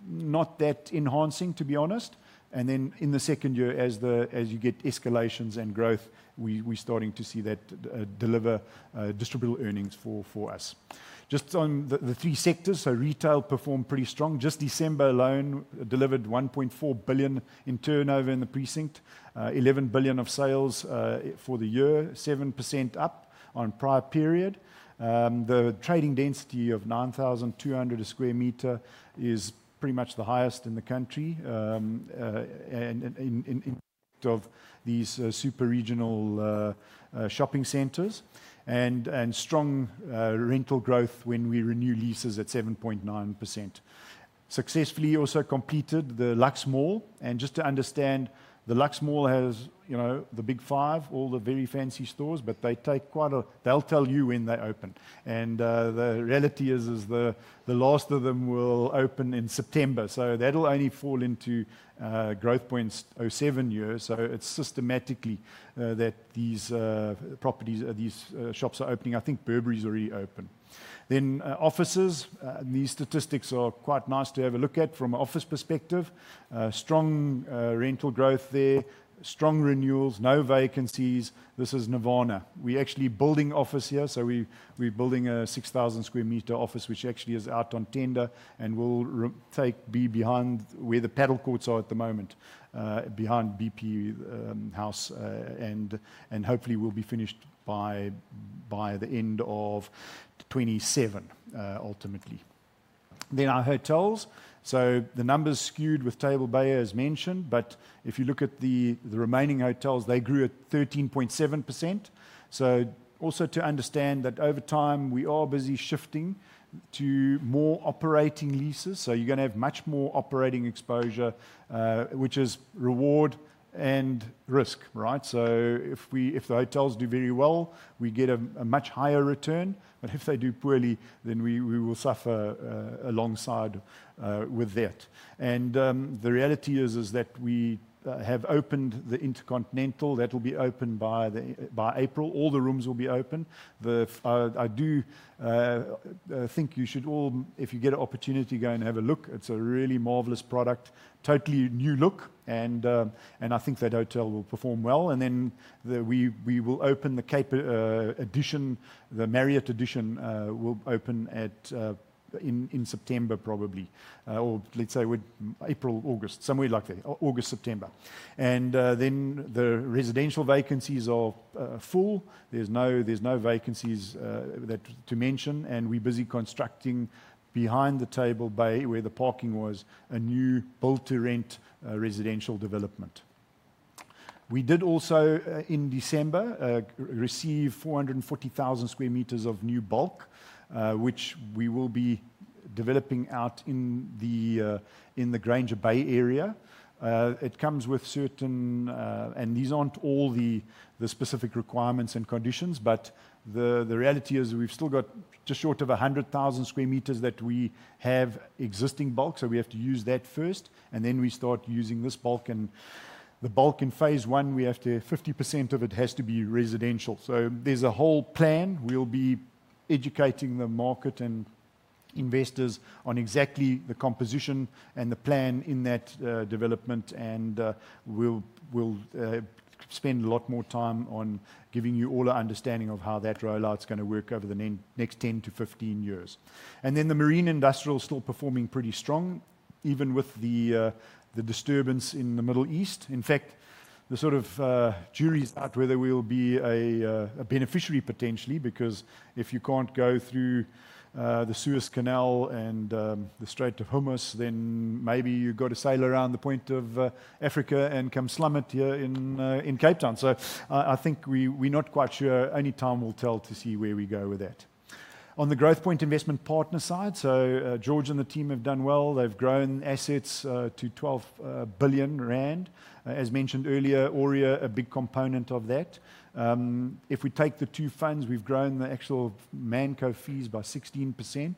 not that enhancing to be honest. Then in the second year as you get escalations and growth, we starting to see that deliver distributable earnings for us. Just on the 3 sectors. Retail performed pretty strong. Just December alone delivered 1.4 billion in turnover in the precinct. 11 billion of sales for the year, 7% up on prior period. The trading density of 9,200 a square meter is pretty much the highest in the country, and in one of these super regional shopping centers and strong rental growth when we renew leases at 7.9%. Successfully also completed the Lux Mall. Just to understand, the Lux Mall has, you know, the big 5, all the very fancy stores, but they'll tell you when they open. The reality is the last of them will open in September, so that'll only fall into Growthpoint's 2007 year. It's systematically that these properties these shops are opening. I think Burberry's already open. Offices. These statistics are quite nice to have a look at from an office perspective. Strong rental growth there, strong renewals, no vacancies. This is nirvana. We actually building office here. We building a 6,000 square meter office, which actually is out on tender and will be behind where the paddle courts are at the moment, behind BP house. Hopefully will be finished by the end of 2027, ultimately. Our hotels. The numbers skewed with Table Bay as mentioned, but if you look at the remaining hotels, they grew at 13.7%. Also to understand that over time we are busy shifting to more operating leases. You're gonna have much more operating exposure, which is reward and risk, right? If the hotels do very well, we get a much higher return, but if they do poorly, then we will suffer alongside with that. The reality is that we have opened the InterContinental. That will be open by April. All the rooms will be open. I do think you should all, if you get an opportunity, go and have a look. It's a really marvelous product. Totally new look and I think that hotel will perform well. We will open the Cape Town Edition, the Marriott Edition will open in September probably. Or let's say April, August, somewhere like that. August, September. The residential vacancies are full. There's no vacancies that to mention. We're busy constructing behind the Table Bay where the parking was a new build-to-rent residential development. We did also in December receive 440,000 square meters of new bulk which we will be developing out in the Granger Bay area. It comes with certain. These aren't all the specific requirements and conditions, but the reality is we've still got just short of 100,000 square meters that we have existing bulk, so we have to use that first, and then we start using this bulk. The bulk in phase I, 50% of it has to be residential. There's a whole plan. We'll be educating the market and investors on exactly the composition and the plan in that development. We'll spend a lot more time on giving you all an understanding of how that rollout's gonna work over the next 10-15 years. The marine industrial is still performing pretty strong, even with the disturbance in the Middle East. In fact, the sort of jury's out whether we'll be a beneficiary potentially, because if you can't go through the Suez Canal and the Strait of Hormuz, then maybe you've got to sail around the Point of Africa and come slum it here in Cape Town. I think we're not quite sure. Only time will tell to see where we go with that. On the Growthpoint Investment Partners side, George and the team have done well. They've grown assets to 12 billion rand. As mentioned earlier, Oria, a big component of that. If we take the 2 funds, we've grown the actual Manco fees by 16%.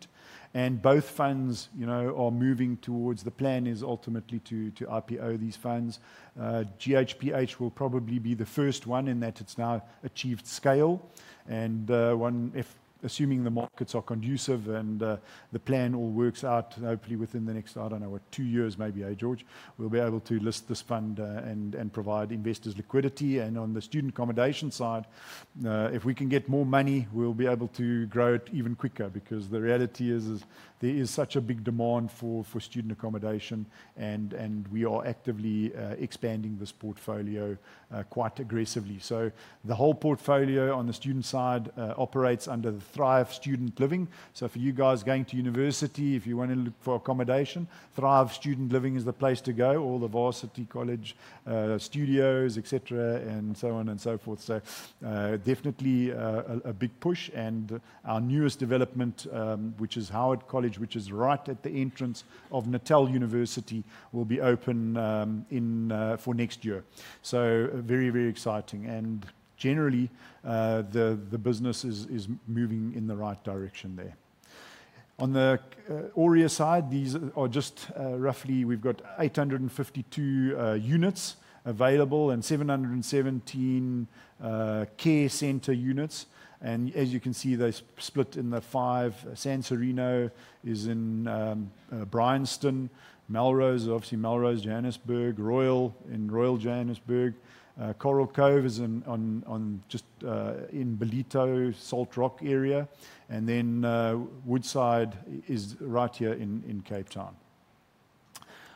Both funds, you know, are moving towards the plan is ultimately to IPO these funds. GHPH will probably be the first one in that it's now achieved scale and, one if assuming the markets are conducive and, the plan all works out, hopefully within the next, I don't know, what? 2 years maybe, eh, George? We'll be able to list this fund and provide investors liquidity. On the student accommodation side, if we can get more money, we'll be able to grow it even quicker because the reality is there is such a big demand for student accommodation and we are actively expanding this portfolio quite aggressively. The whole portfolio on the student side operates under the Thrive Student Living. For you guys going to university, if you wanna look for accommodation, Thrive Student Living is the place to go. All the varsity college studios, et cetera, and so on and so forth. Definitely a big push. Our newest development, which is Howard College, which is right at the entrance of University of KwaZulu-Natal, will be open for next year. Very, very exciting. Generally, the business is moving in the right direction there. On the Auria side, these are just roughly we've got 852 units available and 717 care center units. As you can see, they're split into 5. San Sereno is in Bryanston. Melrose, obviously Melrose, Johannesburg. Royal in Royal Johannesburg. Coral Cove is in Ballito, Salt Rock area. Woodside is right here in Cape Town.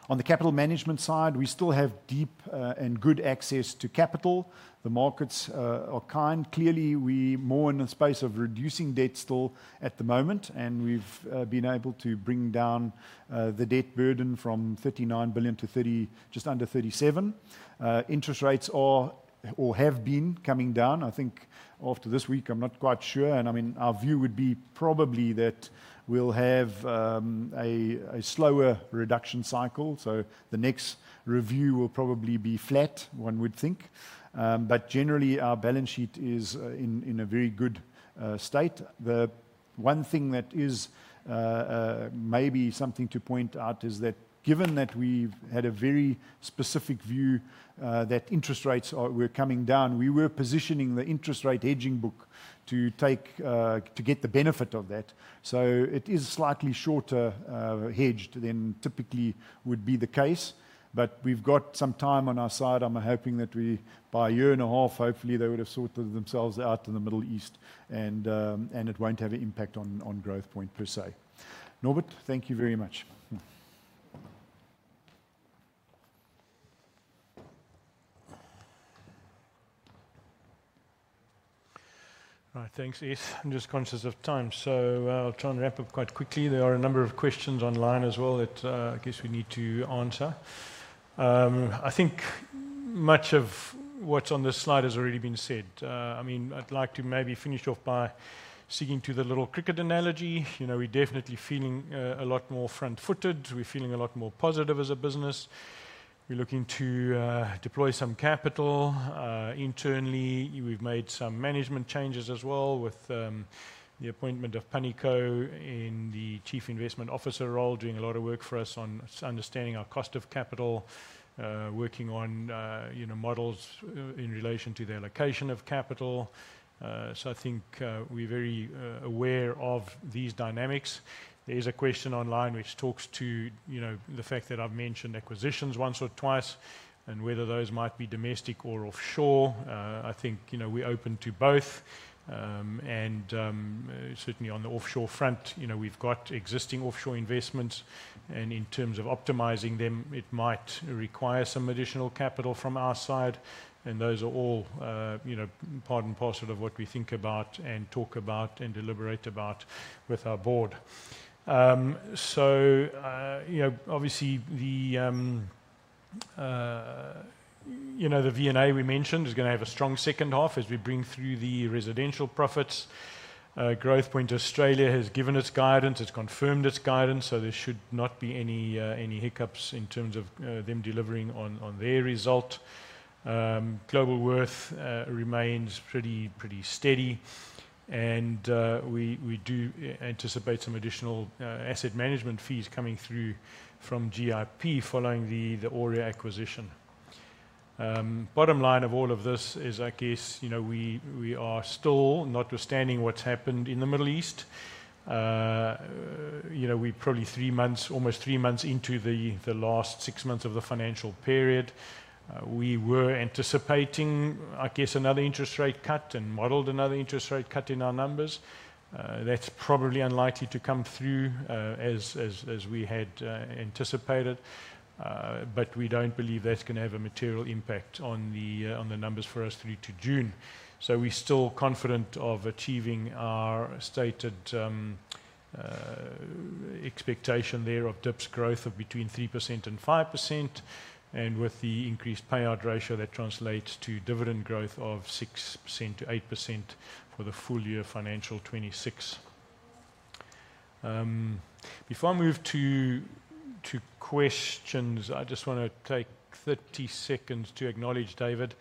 On the capital management side, we still have deep and good access to capital. The markets are kind. Clearly, we're more in the space of reducing debt still at the moment, and we've been able to bring down the debt burden from 39 billion to just under 37 billion. Interest rates are or have been coming down. I think after this week, I'm not quite sure. I mean, our view would be probably that we'll have a slower reduction cycle, so the next review will probably be flat, one would think. Generally, our balance sheet is in a very good state. The one thing that is maybe something to point out is that given that we've had a very specific view that interest rates are, were coming down, we were positioning the interest rate hedging book to take to get the benefit of that. So it is slightly shorter hedged than typically would be the case, but we've got some time on our side. I'm hoping that in a year and a half, hopefully they would have sorted themselves out in the Middle East and it won't have an impact on Growthpoint per se. Norbert, thank you very much. All right. Thanks, Eth. I'm just conscious of time, so I'll try and wrap up quite quickly. There are a number of questions online as well that, I guess we need to answer. I think much of what's on this slide has already been said. I mean, I'd like to maybe finish off by sticking to the little cricket analogy. You know, we're definitely feeling a lot more front-footed. We're feeling a lot more positive as a business. We're looking to deploy some capital. Internally, we've made some management changes as well with the appointment of Panico in the chief investment officer role, doing a lot of work for us on understanding our cost of capital, working on, you know, models in relation to the allocation of capital. So I think we're very aware of these dynamics. There's a question online which talks to, you know, the fact that I've mentioned acquisitions once or twice and whether those might be domestic or offshore. I think, you know, we're open to both. Certainly on the offshore front, you know, we've got existing offshore investments, and in terms of optimizing them, it might require some additional capital from our side. Those are all, you know, part and parcel of what we think about and talk about and deliberate about with our board. You know, obviously the V&A Waterfront we mentioned is gonna have a strong second half as we bring through the residential profits. Growthpoint Australia has given its guidance. It's confirmed its guidance, so there should not be any hiccups in terms of them delivering on their result. Globalworth remains pretty steady, and we do anticipate some additional asset management fees coming through from GIP following the Auria acquisition. Bottom line of all of this is we are still, notwithstanding what's happened in the Middle East, we're probably almost 3 months into the last 6 months of the financial period. We were anticipating another interest rate cut and modeled another interest rate cut in our numbers. That's probably unlikely to come through as we had anticipated. We don't believe that's gonna have a material impact on the numbers for us through to June. We're still confident of achieving our stated expectation there of DIPS growth of between 3% and 5%. With the increased payout ratio, that translates to dividend growth of 6%-8% for the full year financial 2026. Before I move to questions, I just wanna take 30 seconds to acknowledge David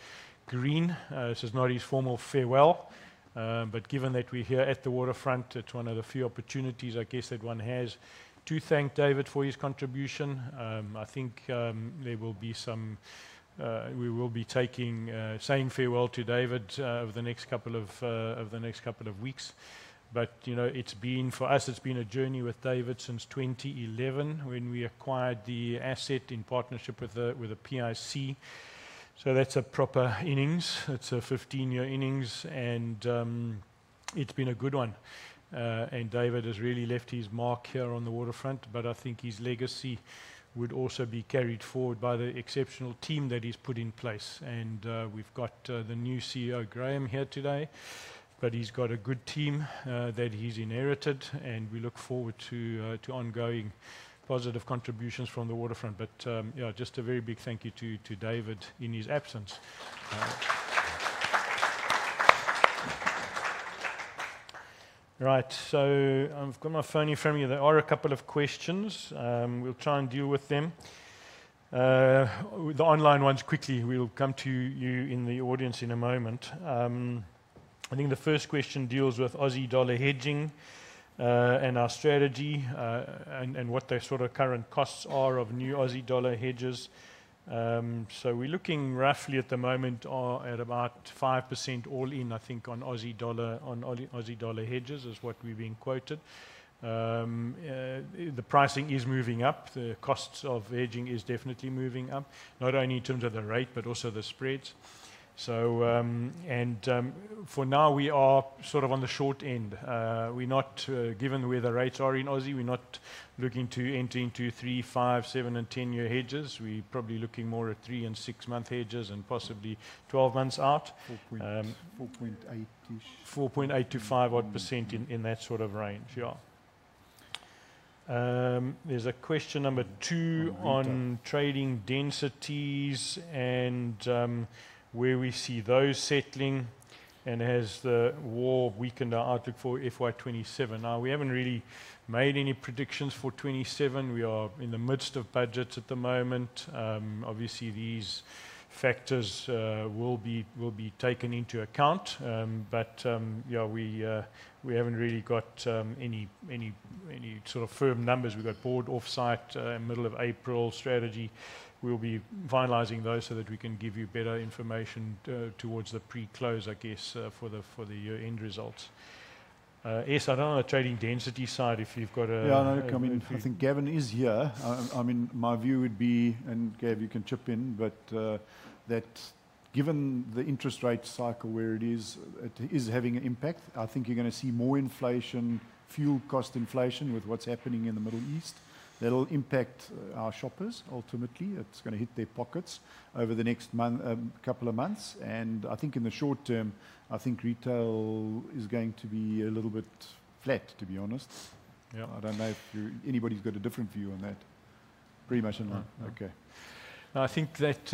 Green. This is not his formal farewell, but given that we're here at the Waterfront, it's one of the few opportunities, I guess, that one has to thank David for his contribution. I think there will be some we will be saying farewell to David over the next couple of weeks. You know, it's been, for us, it's been a journey with David since 2011 when we acquired the asset in partnership with the PIC. That's a proper innings. It's a 15-year innings, and it's been a good one. David has really left his mark here on the Waterfront, but I think his legacy would also be carried forward by the exceptional team that he's put in place. We've got the new CEO, Graham, here today, but he's got a good team that he's inherited, and we look forward to ongoing positive contributions from the Waterfront. Yeah, just a very big thank you to David in his absence. Right. So I've got my phone in front of me. There are a couple of questions. We'll try and deal with them. The online ones quickly. We'll come to you in the audience in a moment. I think the first question deals with Aussie dollar hedging and our strategy and what the sort of current costs are of new Aussie dollar hedges. We're looking roughly at the moment at about 5% all in, I think, on Aussie dollar hedges is what we're being quoted. The pricing is moving up. The costs of hedging is definitely moving up, not only in terms of the rate, but also the spreads. For now, we are sort of on the short end. We're not given where the rates are in Aussie, we're not looking to enter into 3, 5, 7, and 10-year hedges. We're probably looking more at 3- and 6-month hedges and possibly 12 months out. 4 point- Um- 4.8-ish. 4.8 to 5-odd % in that sort of range. Ja. There's a question number 2 on trading densities and where we see those settling and has the war weakened our outlook for FY 2027. Now, we haven't really made any predictions for 2027. We are in the midst of budgets at the moment. Obviously these factors will be taken into account. Yeah, we haven't really got any sort of firm numbers. We've got board off-site in middle of April, strategy. We'll be finalizing those so that we can give you better information towards the pre-close, I guess, for the year-end results. Estienne, I don't know on the trading density side if you've got a- Ja, no, look, I mean, I think Gavin is here. I mean, my view would be, and Gav, you can chip in, but that given the interest rate cycle where it is, it is having an impact. I think you're gonna see more inflation, fuel cost inflation with what's happening in the Middle East. That'll impact our shoppers ultimately. It's gonna hit their pockets over the next month, couple of months. I think in the short term, I think retail is going to be a little bit flat, to be honest. I don't know if anybody's got a different view on that. Pretty much in line. No. Okay. I think that,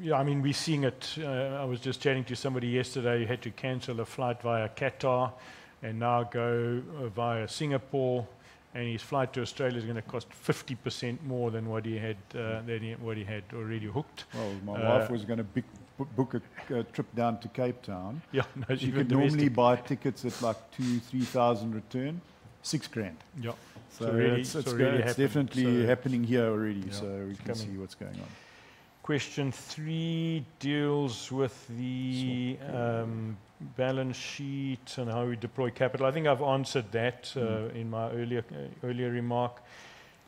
yeah, I mean, we're seeing it. I was just chatting to somebody yesterday, he had to cancel a flight via Qatar and now go via Singapore, and his flight to Australia is gonna cost 50% more than what he had already booked. Well, my wife was gonna book a trip down to Cape Town. Yeah. She could always. You can normally buy tickets at, like, 2,000-3,000 return. 6,000. Yep. It's already happening. It's definitely happening here already. Yeah. We can see what's going on. Question 3 deals with the. It's not important. Balance sheet and how we deploy capital. I think I've answered that in my earlier remark.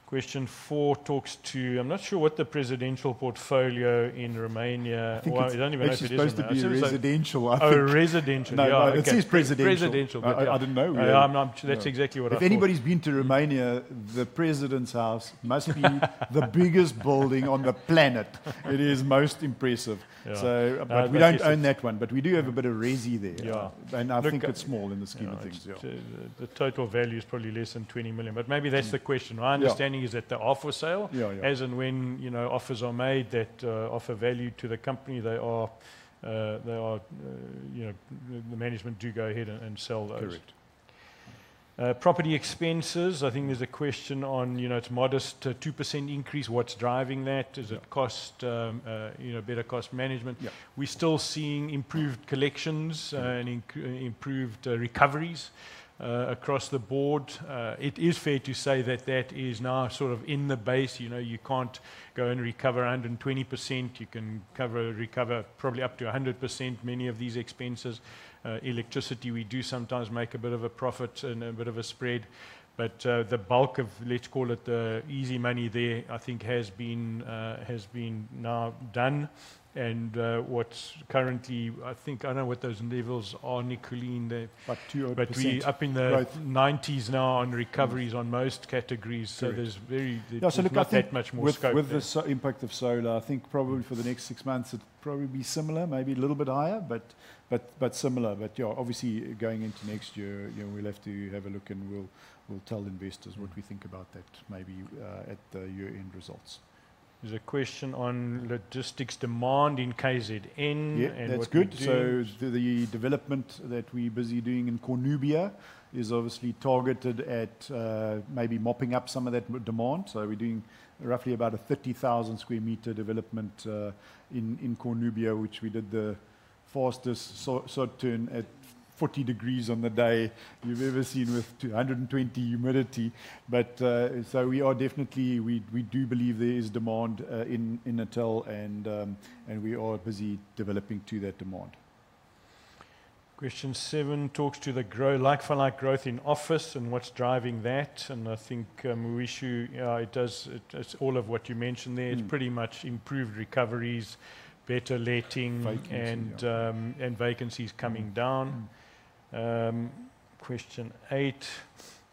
Question 4 talks to. I'm not sure what the residential portfolio in Romania or I think it's. I don't even know if it is anymore. Is it a- Actually supposed to be residential, I think. Oh, residential. Yeah, okay. No, no, it says presidential. Presidential. Yeah, yeah. I didn't know. Yeah. That's exactly what I thought. If anybody's been to Romania, the president's house must be the biggest building on the planet. It is most impressive. Yeah. We don't own that one, but we do have a bit of resi there. Yeah. I think it's small in the scheme of things. Yeah. No, it's the total value is probably less than 20 million. Maybe that's the question. Yeah. My understanding is that they're up for sale. Yeah, yeah. As and when, you know, offers are made that offer value to the company, they are, you know, the management do go ahead and sell those. Correct. Property expenses, I think there's a question on, you know, it's modest, 2% increase. What's driving that? Yeah. Is it cost, you know, better cost management? Yeah. We're still seeing improved collections. Yeah Improved recoveries across the board. It is fair to say that is now sort of in the base. You know, you can't go and recover 100%. You can recover probably up to 100% many of these expenses. Electricity, we do sometimes make a bit of a profit and a bit of a spread. The bulk of, let's call it, the easy money there, I think has been now done. What's currently, I think I know what those levels are, Nicoline, they're- About 2 odd%. But we up in the- Right 90s now on recoveries on most categories. Correct. There's not that much more scope there. Yeah, look, I think with the impact of solar, I think probably for the next 6 months it'd probably be similar, maybe a little bit higher, but similar. Yeah, obviously going into next year, you know, we'll have to have a look and we'll tell investors what we think about that maybe at the year-end results. There's a question on logistics demand in KZN. Yeah. What we do. That's good. The development that we're busy doing in Cornubia is obviously targeted at maybe mopping up some of that demand. We're doing roughly about a 30,000 square meter development in Cornubia, which we did the fastest sod turn at 40 degrees on the day you've ever seen with 220 humidity. We are definitely. We do believe there is demand in Natal, and we are busy developing to that demand. Question 7 talks to the like-for-like growth in office and what's driving that. I think it's all of what you mentioned there. Mm. It's pretty much improved recoveries, better letting. Vacancy Vacancies coming down. Question 8,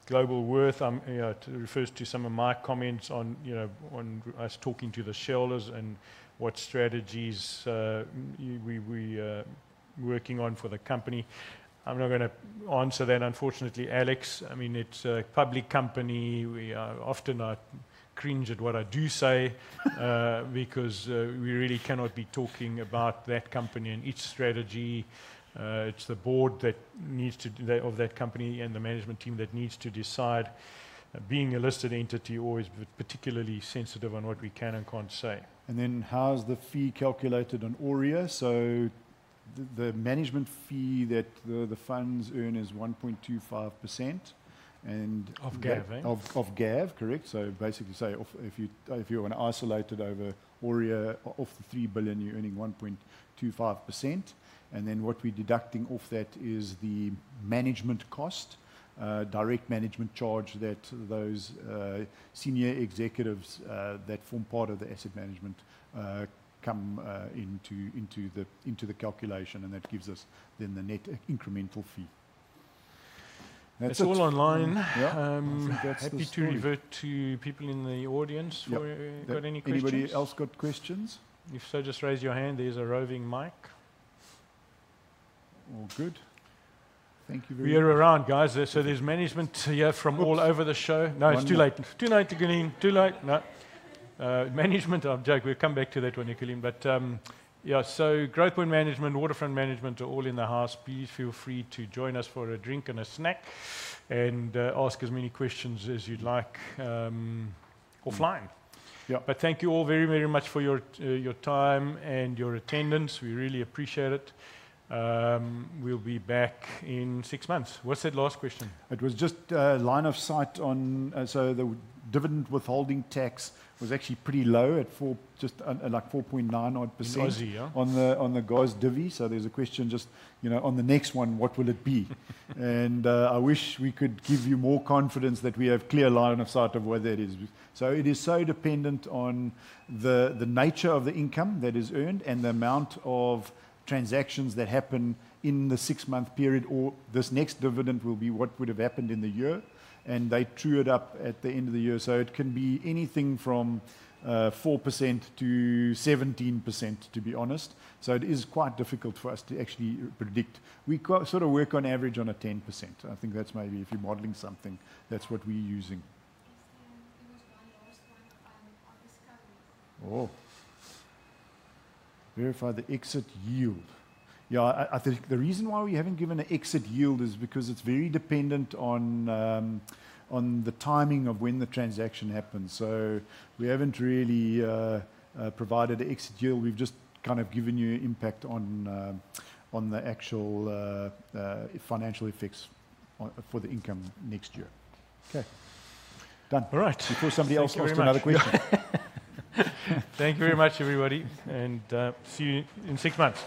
Globalworth. You know, it refers to some of my comments on, you know, on us talking to the shareholders and what strategies we working on for the company. I'm not gonna answer that unfortunately, Alex. I mean, it's a public company. We are often, I cringe at what I do say. Because we really cannot be talking about that company and its strategy. It's the board that needs to do that, of that company and the management team that needs to decide. Being a listed entity, you're always particularly sensitive on what we can and can't say. How is the fee calculated on Auria? The management fee that the funds earn is 1.25% and Of GAV, hey? Of GAV, correct. Basically, if you're an isolated over Auria, of the 3 billion, you're earning 1.25%. What we're deducting off that is the management cost, direct management charge that those senior executives that form part of the asset management come into the calculation, and that gives us then the net incremental fee. That's it. It's all online. Yeah. Um- I think that's it for you. Happy to revert to people in the audience who got any questions. Yeah. Anybody else got questions? If so, just raise your hand. There's a roving mic. All good. Thank you very much. We are around, guys. There's management here from all over the show. Oops. 1 minute. No, it's too late. Too late, Nicoline. Too late. No. Management. I'm joking. We'll come back to that one, Nicoline. Yeah, so Growthpoint management, Waterfront management are all in the house. Please feel free to join us for a drink and a snack and ask as many questions as you'd like, offline. Yeah. Thank you all very, very much for your time and your attendance. We really appreciate it. We'll be back in 6 months. What's that last question? It was just line of sight on, so the dividend withholding tax was actually pretty low at 4, just like 4.9 odd%. In Aussie, yeah. On the guys' divvy. There's a question just, you know, on the next one, what will it be? I wish we could give you more confidence that we have clear line of sight of where that is. It is so dependent on the nature of the income that is earned and the amount of transactions that happen in the 6 month period, or this next dividend will be what would have happened in the year, and they true it up at the end of the year. It can be anything from 4%-17%, to be honest. It is quite difficult for us to actually predict. We sort of work on average on a 10%. I think that's maybe if you're modeling something, that's what we're using. Yes, just one last one on Discovery's. Oh. Verify the exit yield. Yeah, I think the reason why we haven't given an exit yield is because it's very dependent on the timing of when the transaction happens. We haven't really provided an exit yield. We've just kind of given you impact on the actual financial effects on the income next year. Okay. Done. All right. Before somebody else asks another question. Thank you very much, everybody, and see you in 6 months.